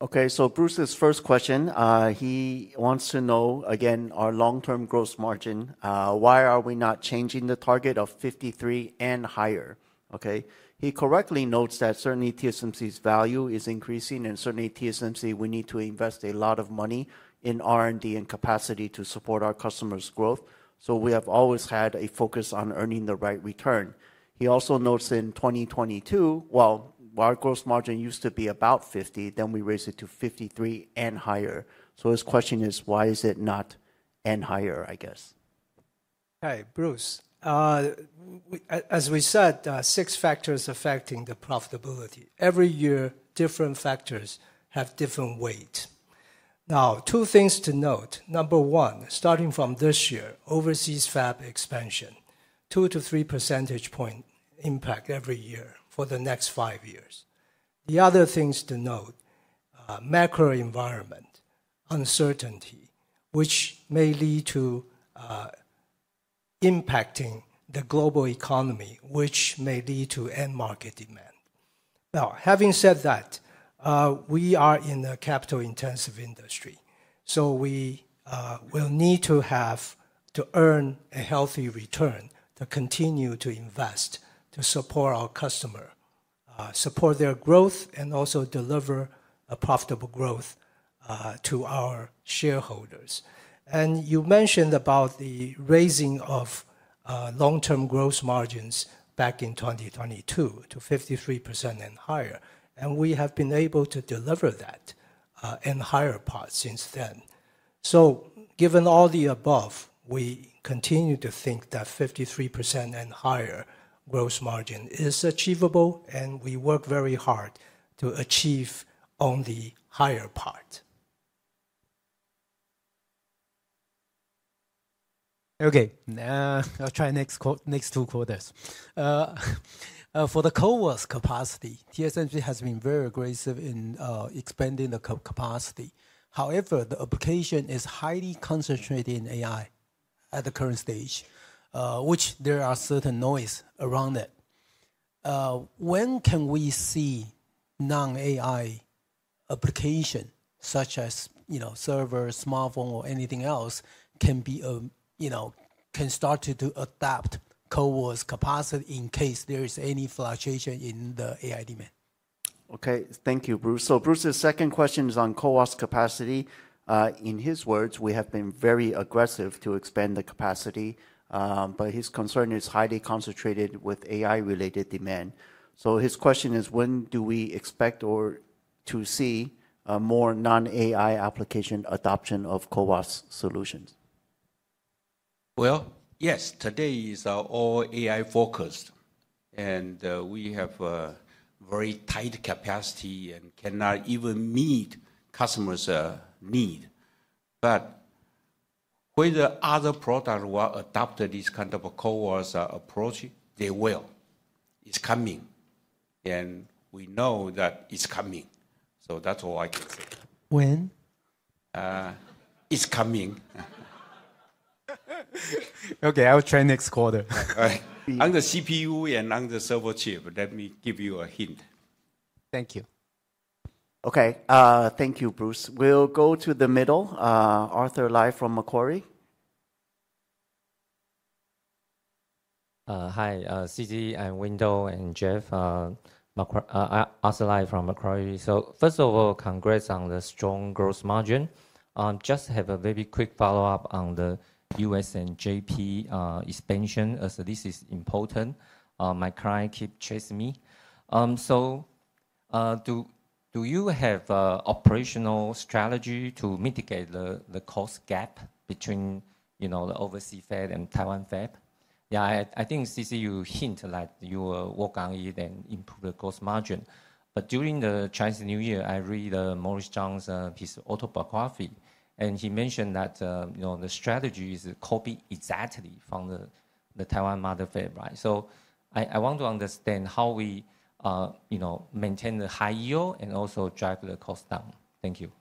Okay, so Bruce's first question, he wants to know, again, our long-term gross margin. Why are we not changing the target of 53% and higher? Okay. He correctly notes that certainly TSMC's value is increasing and certainly TSMC, we need to invest a lot of money in R&D and capacity to support our customers' growth. So we have always had a focus on earning the right return. He also notes in 2022, well, our gross margin used to be about 50%, then we raised it to 53% and higher. So his question is, why is it not and higher, I guess? Okay, Bruce. As we said, six factors affecting the profitability. Every year, different factors have different weights. Now, two things to note. Number one, starting from this year, overseas fab expansion, two to three percentage points impact every year for the next five years. The other things to note: macro environment uncertainty, which may lead to impacting the global economy, which may lead to end market demand. Now, having said that, we are in a capital-intensive industry. So we will need to have to earn a healthy return to continue to invest, to support our customer, support their growth, and also deliver a profitable growth to our shareholders, and you mentioned about the raising of long-term gross margins back in 2022 to 53% and higher, and we have been able to deliver that and higher part since then, so given all the above, we continue to think that 53% and higher gross margin is achievable, and we work very hard to achieve only higher part. Okay, for the next two quarters. For the CoWoS capacity, TSMC has been very aggressive in expanding the capacity. However, the application is highly concentrated in AI at the current stage, which there are certain noise around it. When can we see non-AI application such as servers, smartphone, or anything else can start to adapt CoWoS capacity in case there is any fluctuation in the AI demand? Okay, thank you, Bruce. So Bruce's second question is on CoWoS capacity. In his words, we have been very aggressive to expand the capacity, but his concern is highly concentrated with AI-related demand. So his question is, when do we expect or to see more non-AI application adoption of CoWoS solutions? Well, yes, today is all AI-focused. And we have a very tight capacity and cannot even meet customers' need. But whether other products will adopt this kind of a CoWoS approach, they will. It's coming. And we know that it's coming. So that's all I can say. When? It's coming. Okay, I'll try next quarter. All right. Under CPU and under server chip, let me give you a hint. Thank you. Okay, thank you, Bruce. We'll go to the middle. Arthur Lai from Macquarie. Hi, C.C. Wei, and Wendell and Jeff. Arthur Lai from Macquarie. So first of all, congrats on the strong gross margin. Just have a very quick follow-up on the US and JP expansion. So this is important. My client keeps chasing me. So do you have an operational strategy to mitigate the cost gap between the overseas fab and Taiwan fab? Yeah, I think C.C. Wei, you hint that you will work on it and improve the gross margin. But during the Chinese New Year, I read Morris Chang's piece, Autobot Coffee, and he mentioned that the strategy is copied exactly from the Taiwan mother fab, right? So I want to understand how we maintain the high yield and also drive the cost down. Thank you.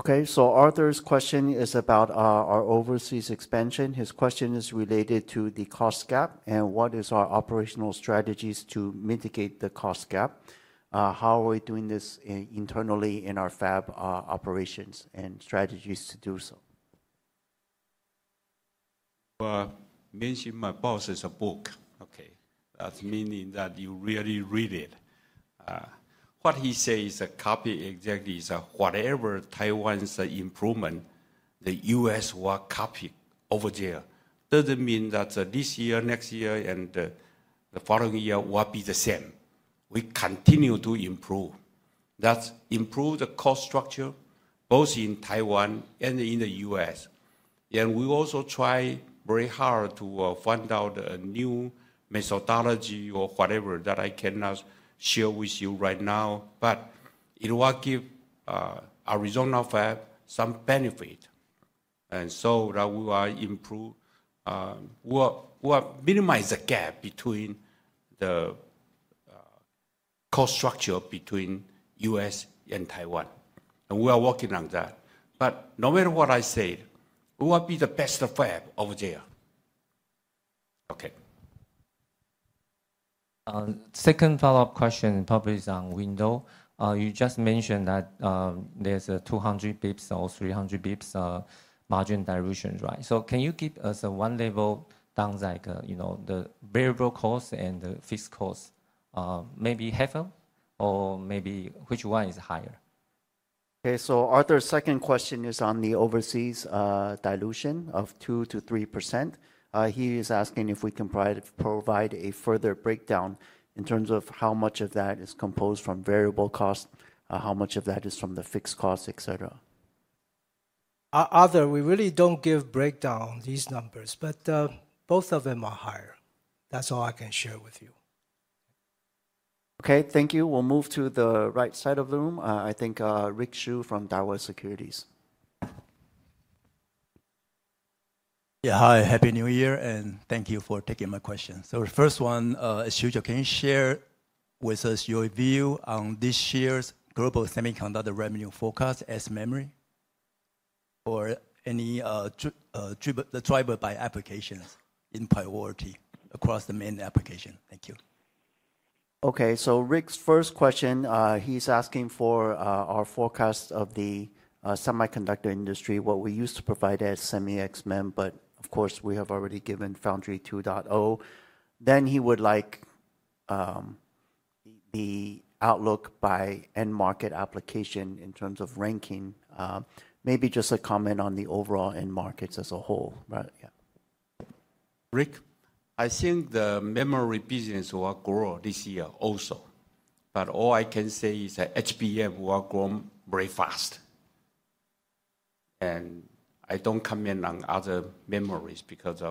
Okay, so Arthur's question is about our overseas expansion. His question is related to the cost gap and what are our operational strategies to mitigate the cost gap? How are we doing this internally in our fab operations and strategies to do so? Well, mention my boss's book, okay? That meaning that you really read it. What he says is a copy exactly is whatever Taiwan's improvement, the US will copy over there. Doesn't mean that this year, next year, and the following year will be the same. We continue to improve. That's improve the cost structure both in Taiwan and in the US. We also try very hard to find out a new methodology or whatever that I cannot share with you right now, but it will give Arizona fab some benefit. So that we will improve, we will minimize the gap between the cost structure between U.S. and Taiwan. We are working on that. No matter what I say, we will be the best fab over there. Okay. Second follow-up question, probably is on Wendell. You just mentioned that there's a 200 basis points or 300 basis points margin dilution, right? So can you give us one level down, like the variable cost and the fixed cost, maybe half of or maybe which one is higher? Okay, so Arthur's second question is on the overseas dilution of 2%-3%. He is asking if we can provide a further breakdown in terms of how much of that is composed from variable cost, how much of that is from the fixed cost, etc. Arthur, we really don't give breakdown these numbers, but both of them are higher. That's all I can share with you. Okay, thank you. We'll move to the right side of the room. I think Rick Hsu from Daiwa Securities. Yeah, hi, happy New Year, and thank you for taking my question. So the first one, C.C., can you share with us your view on this year's global semiconductor revenue forecast as memory or any driver by applications in priority across the main application? Thank you. Okay, so Rick's first question, he's asking for our forecast of the semiconductor industry, what we used to provide as semi ex-mem, but of course, we have already given Foundry 2.0. Then he would like the outlook by end market application in terms of ranking. Maybe just a comment on the overall end markets as a whole, right? Yeah. Rick? I think the memory business will grow this year also. But all I can say is that HBM will grow very fast. And I don't comment on other memories because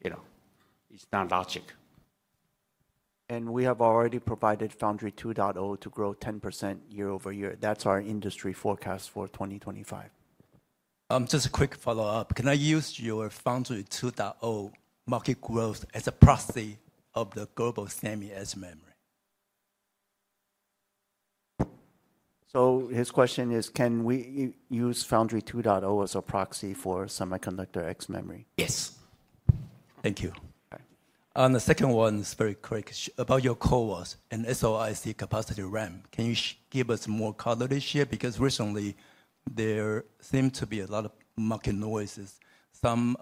it's not logic. And we have already provided Foundry 2.0 to grow 10% year over year. That's our industry forecast for 2025. Just a quick follow-up. Can I use your Foundry 2.0 market growth as a proxy for the global semi ex memory? So his question is, can we use Foundry 2.0 as a proxy for semiconductor ex memory? Yes. Thank you. Okay. On the second one, it's very quick about your CoWoS and SoIC capacity ramp. Can you give us more clarity here? Because recently, there seemed to be a lot of market noises, some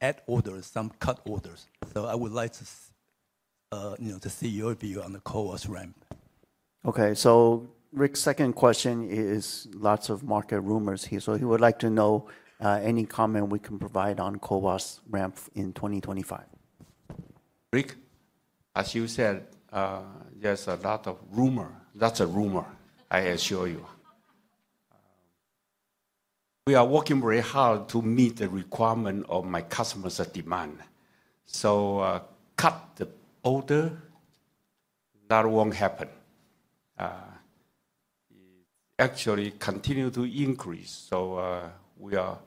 add orders, some cut orders. So I would like to see your view on the CoWoS ramp. Okay, so Rick's second question is lots of market rumors here. So he would like to know any comment we can provide on CoWoS ramp in 2025. Rick, as you said, there's a lot of rumor. That's a rumor. I assure you. We are working very hard to meet the requirement of my customers' demand. So cut the order, that won't happen. It actually continues to increase. So we are,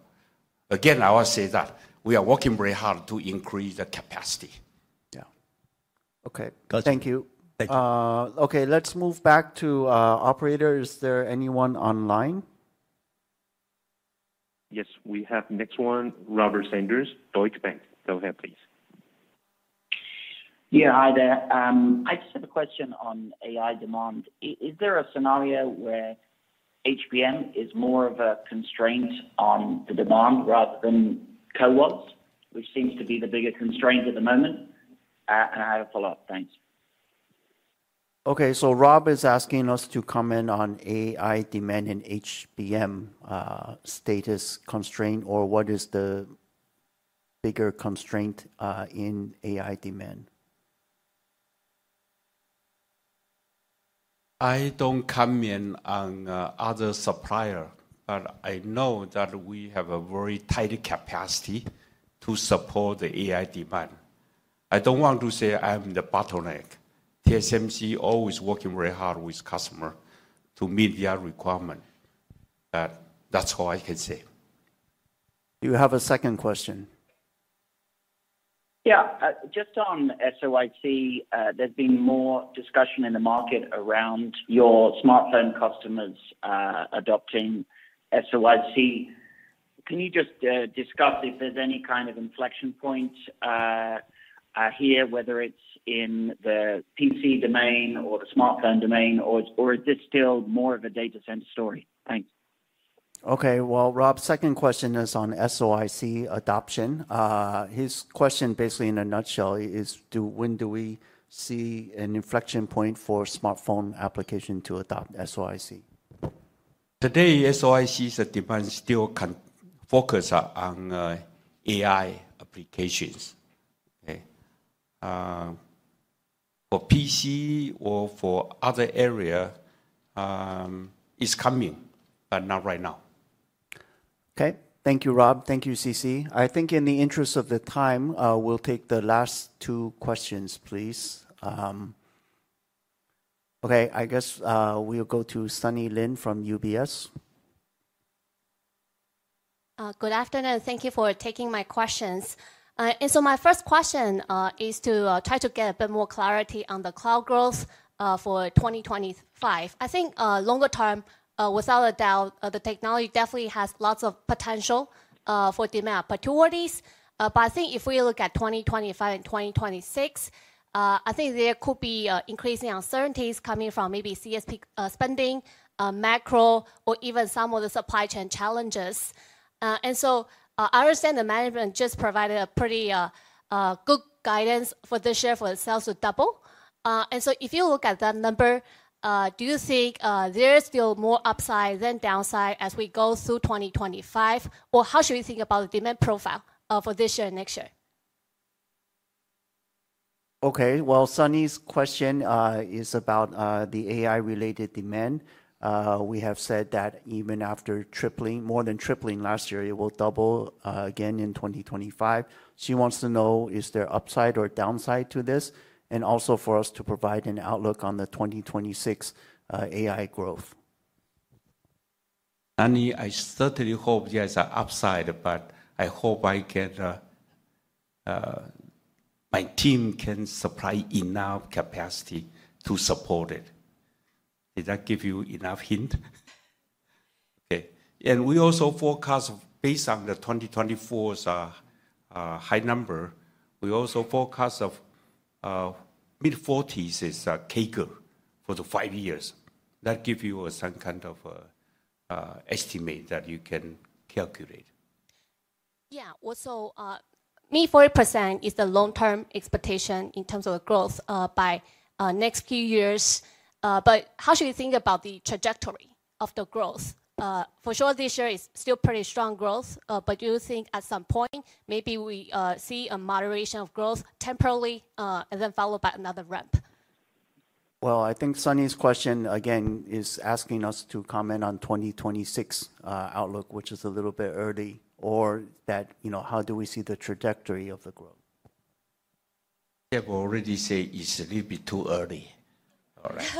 again, I will say that we are working very hard to increase the capacity. Yeah. Okay. Thank you. Thank you. Okay, let's move back to operators. Is there anyone online? Yes, we have next one, Robert Sanders, Deutsche Bank. Go ahead, please. Yeah, hi there. I just have a question on AI demand. Is there a scenario where HBM is more of a constraint on the demand rather than CoWoS, which seems to be the biggest constraint at the moment? And I have a follow-up. Thanks. Okay, so Rob is asking us to comment on AI demand and HBM status constraint or what is the bigger constraint in AI demand? I don't comment on other suppliers, but I know that we have a very tight capacity to support the AI demand. I don't want to say I'm the bottleneck. TSMC always working very hard with customers to meet their requirement. That's all I can say. You have a second question. Yeah, just on SoIC, there's been more discussion in the market around your smartphone customers adopting SoIC. Can you just discuss if there's any kind of inflection point here, whether it's in the PC domain or the smartphone domain, or is this still more of a data center story? Thanks. Okay, well, Rob, second question is on SoIC adoption. His question, basically in a nutshell, is when do we see an inflection point for smartphone application to adopt SoIC? Today, SoIC's demand still focuses on AI applications. Okay. For PC or for other areas, it's coming, but not right now. Okay, thank you, Rob. Thank you, C.C. I think in the interest of the time, we'll take the last two questions, please. Okay, I guess we'll go to Sunny Lin from UBS. Good afternoon. Thank you for taking my questions. And so my first question is to try to get a bit more clarity on the cloud growth for 2025. I think longer term, without a doubt, the technology definitely has lots of potential for demand opportunities. But I think if we look at 2025 and 2026, I think there could be increasing uncertainties coming from maybe CSP spending, macro, or even some of the supply chain challenges. And so I understand the management just provided a pretty good guidance for this year for itself to double. And so if you look at that number, do you think there is still more upside than downside as we go through 2025? Or how should we think about the demand profile for this year and next year? Okay, well, Sunny's question is about the AI-related demand. We have said that even after tripling, more than tripling last year, it will double again in 2025. She wants to know, is there upside or downside to this? And also for us to provide an outlook on the 2026 AI growth. Sunny, I certainly hope there is an upside, but I hope my team can supply enough capacity to support it. Did that give you enough hint? Okay. And we also forecast based on the 2024 high number, we also forecast of mid-40s % CAGR for the five years. That gives you some kind of estimate that you can calculate. Yeah, well, so mid-40% is the long-term expectation in terms of growth by next few years. But how should we think about the trajectory of the growth? For sure, this year is still pretty strong growth, but do you think at some point maybe we see a moderation of growth temporarily and then followed by another ramp? I think Sunny's question again is asking us to comment on 2026 outlook, which is a little bit early, or that how do we see the trajectory of the growth? I have already said it's a little bit too early. All right.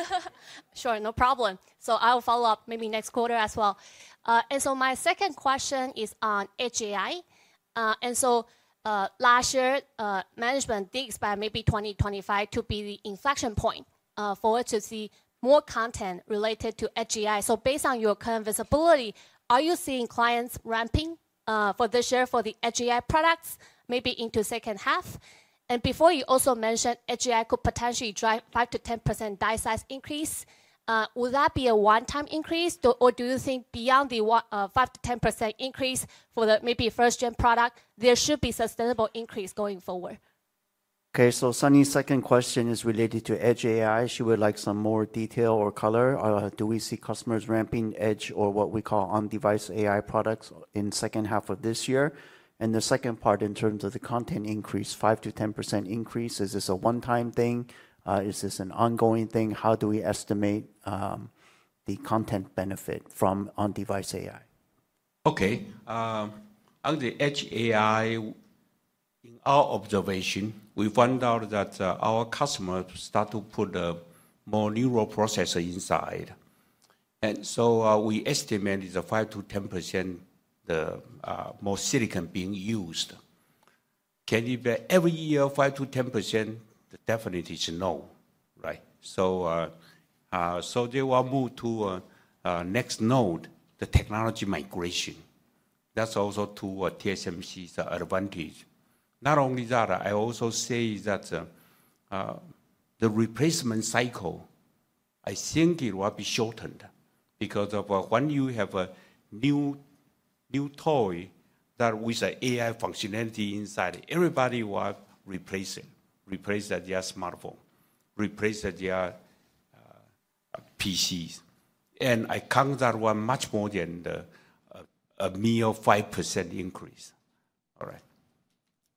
Sure, no problem. So I'll follow up maybe next quarter as well. And so my second question is on Edge AI. And so last year, management guided by maybe 2025 to be the inflection point forward to see more content related to Edge AI. So based on your current visibility, are you seeing clients ramping for this year for the Edge AI products maybe into second half? And before you also mentioned Edge AI could potentially drive 5%-10% die size increase. Will that be a one-time increase? Or do you think beyond the 5%-10% increase for the maybe first-gen product, there should be sustainable increase going forward? Okay, so Sunny's second question is related to edge AI. She would like some more detail or color. Do we see customers ramping edge or what we call on-device AI products in second half of this year? And the second part in terms of the content increase, 5%-10% increase, is this a one-time thing? Is this an ongoing thing? How do we estimate the content benefit from on-device AI? Okay. On the edge AI, in our observation, we found out that our customers start to put more neural processors inside. And so we estimate it's a 5%-10% more silicon being used. Can you be every year 5%-10%? The definite is no, right? So they will move to next node, the technology migration. That's also to TSMC's advantage. Not only that, I also say that the replacement cycle, I think it will be shortened because of when you have a new toy that with an AI functionality inside, everybody will replace it, replace their smartphone, replace their PCs. And I count that one much more than a mere 5% increase. All right.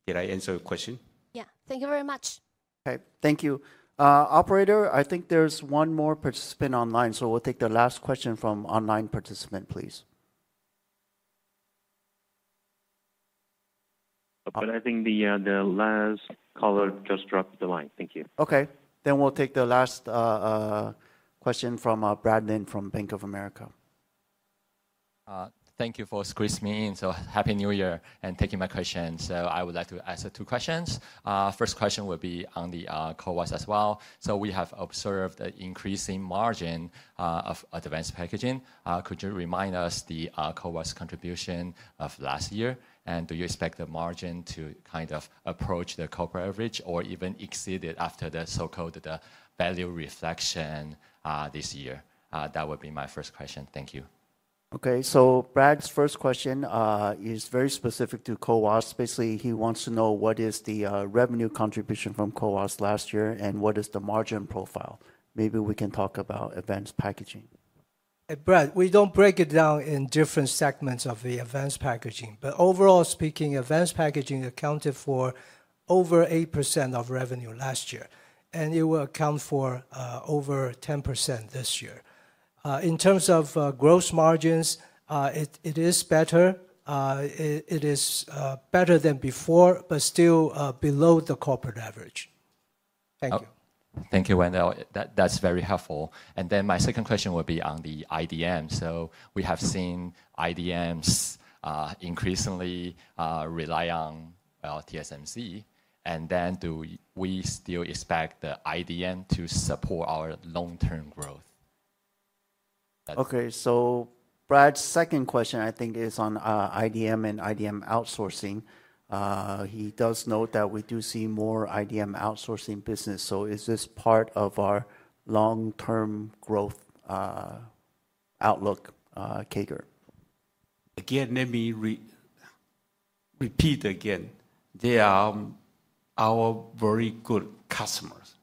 Did I answer your question? Yeah, thank you very much. Okay, thank you. Operator, I think there's one more participant online, so we'll take the last question from online participant, please. But I think the last caller just dropped the line. Thank you. Okay, then we'll take the last question from Brad Lin from Bank of America. Thank you for squeezing me in. So, happy New Year and taking my question. So I would like to ask two questions. First question would be on the CoWoS as well. So we have observed an increasing margin of advanced packaging. Could you remind us the CoWoS contribution of last year? And do you expect the margin to kind of approach the corporate average or even exceed it after the so-called value reflection this year? That would be my first question. Thank you. Okay, so Brad's first question is very specific to CoWoS. Basically, he wants to know what is the revenue contribution from CoWoS last year and what is the margin profile. Maybe we can talk about advanced packaging. Brad, we don't break it down in different segments of the advanced packaging. But overall speaking, advanced packaging accounted for over 8% of revenue last year. And it will account for over 10% this year. In terms of gross margins, it is better. It is better than before, but still below the corporate average. Thank you. Thank you, Wendell. That's very helpful. And then my second question would be on the IDM. So we have seen IDMs increasingly rely on TSMC. And then do we still expect the IDM to support our long-term growth? Okay, so Brad's second question, I think, is on IDM and IDM outsourcing. He does note that we do see more IDM outsourcing business. So is this part of our long-term growth outlook, CAGR? Again, let me repeat again. They are our very good customers.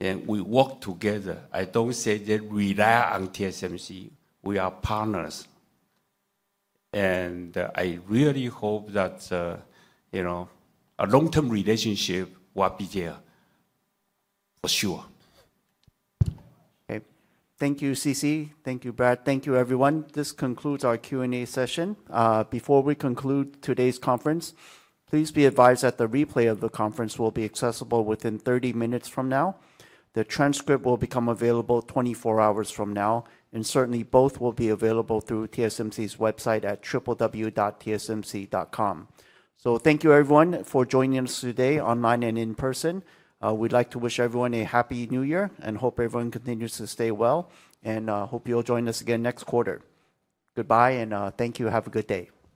And we work together. I don't say they rely on TSMC. We are partners. And I really hope that a long-term relationship will be there, for sure. Okay, thank you, C.C. Thank you, Brad. Thank you, everyone. This concludes our Q&A session. Before we conclude today's conference, please be advised that the replay of the conference will be accessible within 30 minutes from now. The transcript will become available 24 hours from now, and certainly, both will be available through TSMC's website at www.tsmc.com, so thank you, everyone, for joining us today online and in person. We'd like to wish everyone a happy New Year and hope everyone continues to stay well, and hope you'll join us again next quarter. Goodbye and thank you. Have a good day.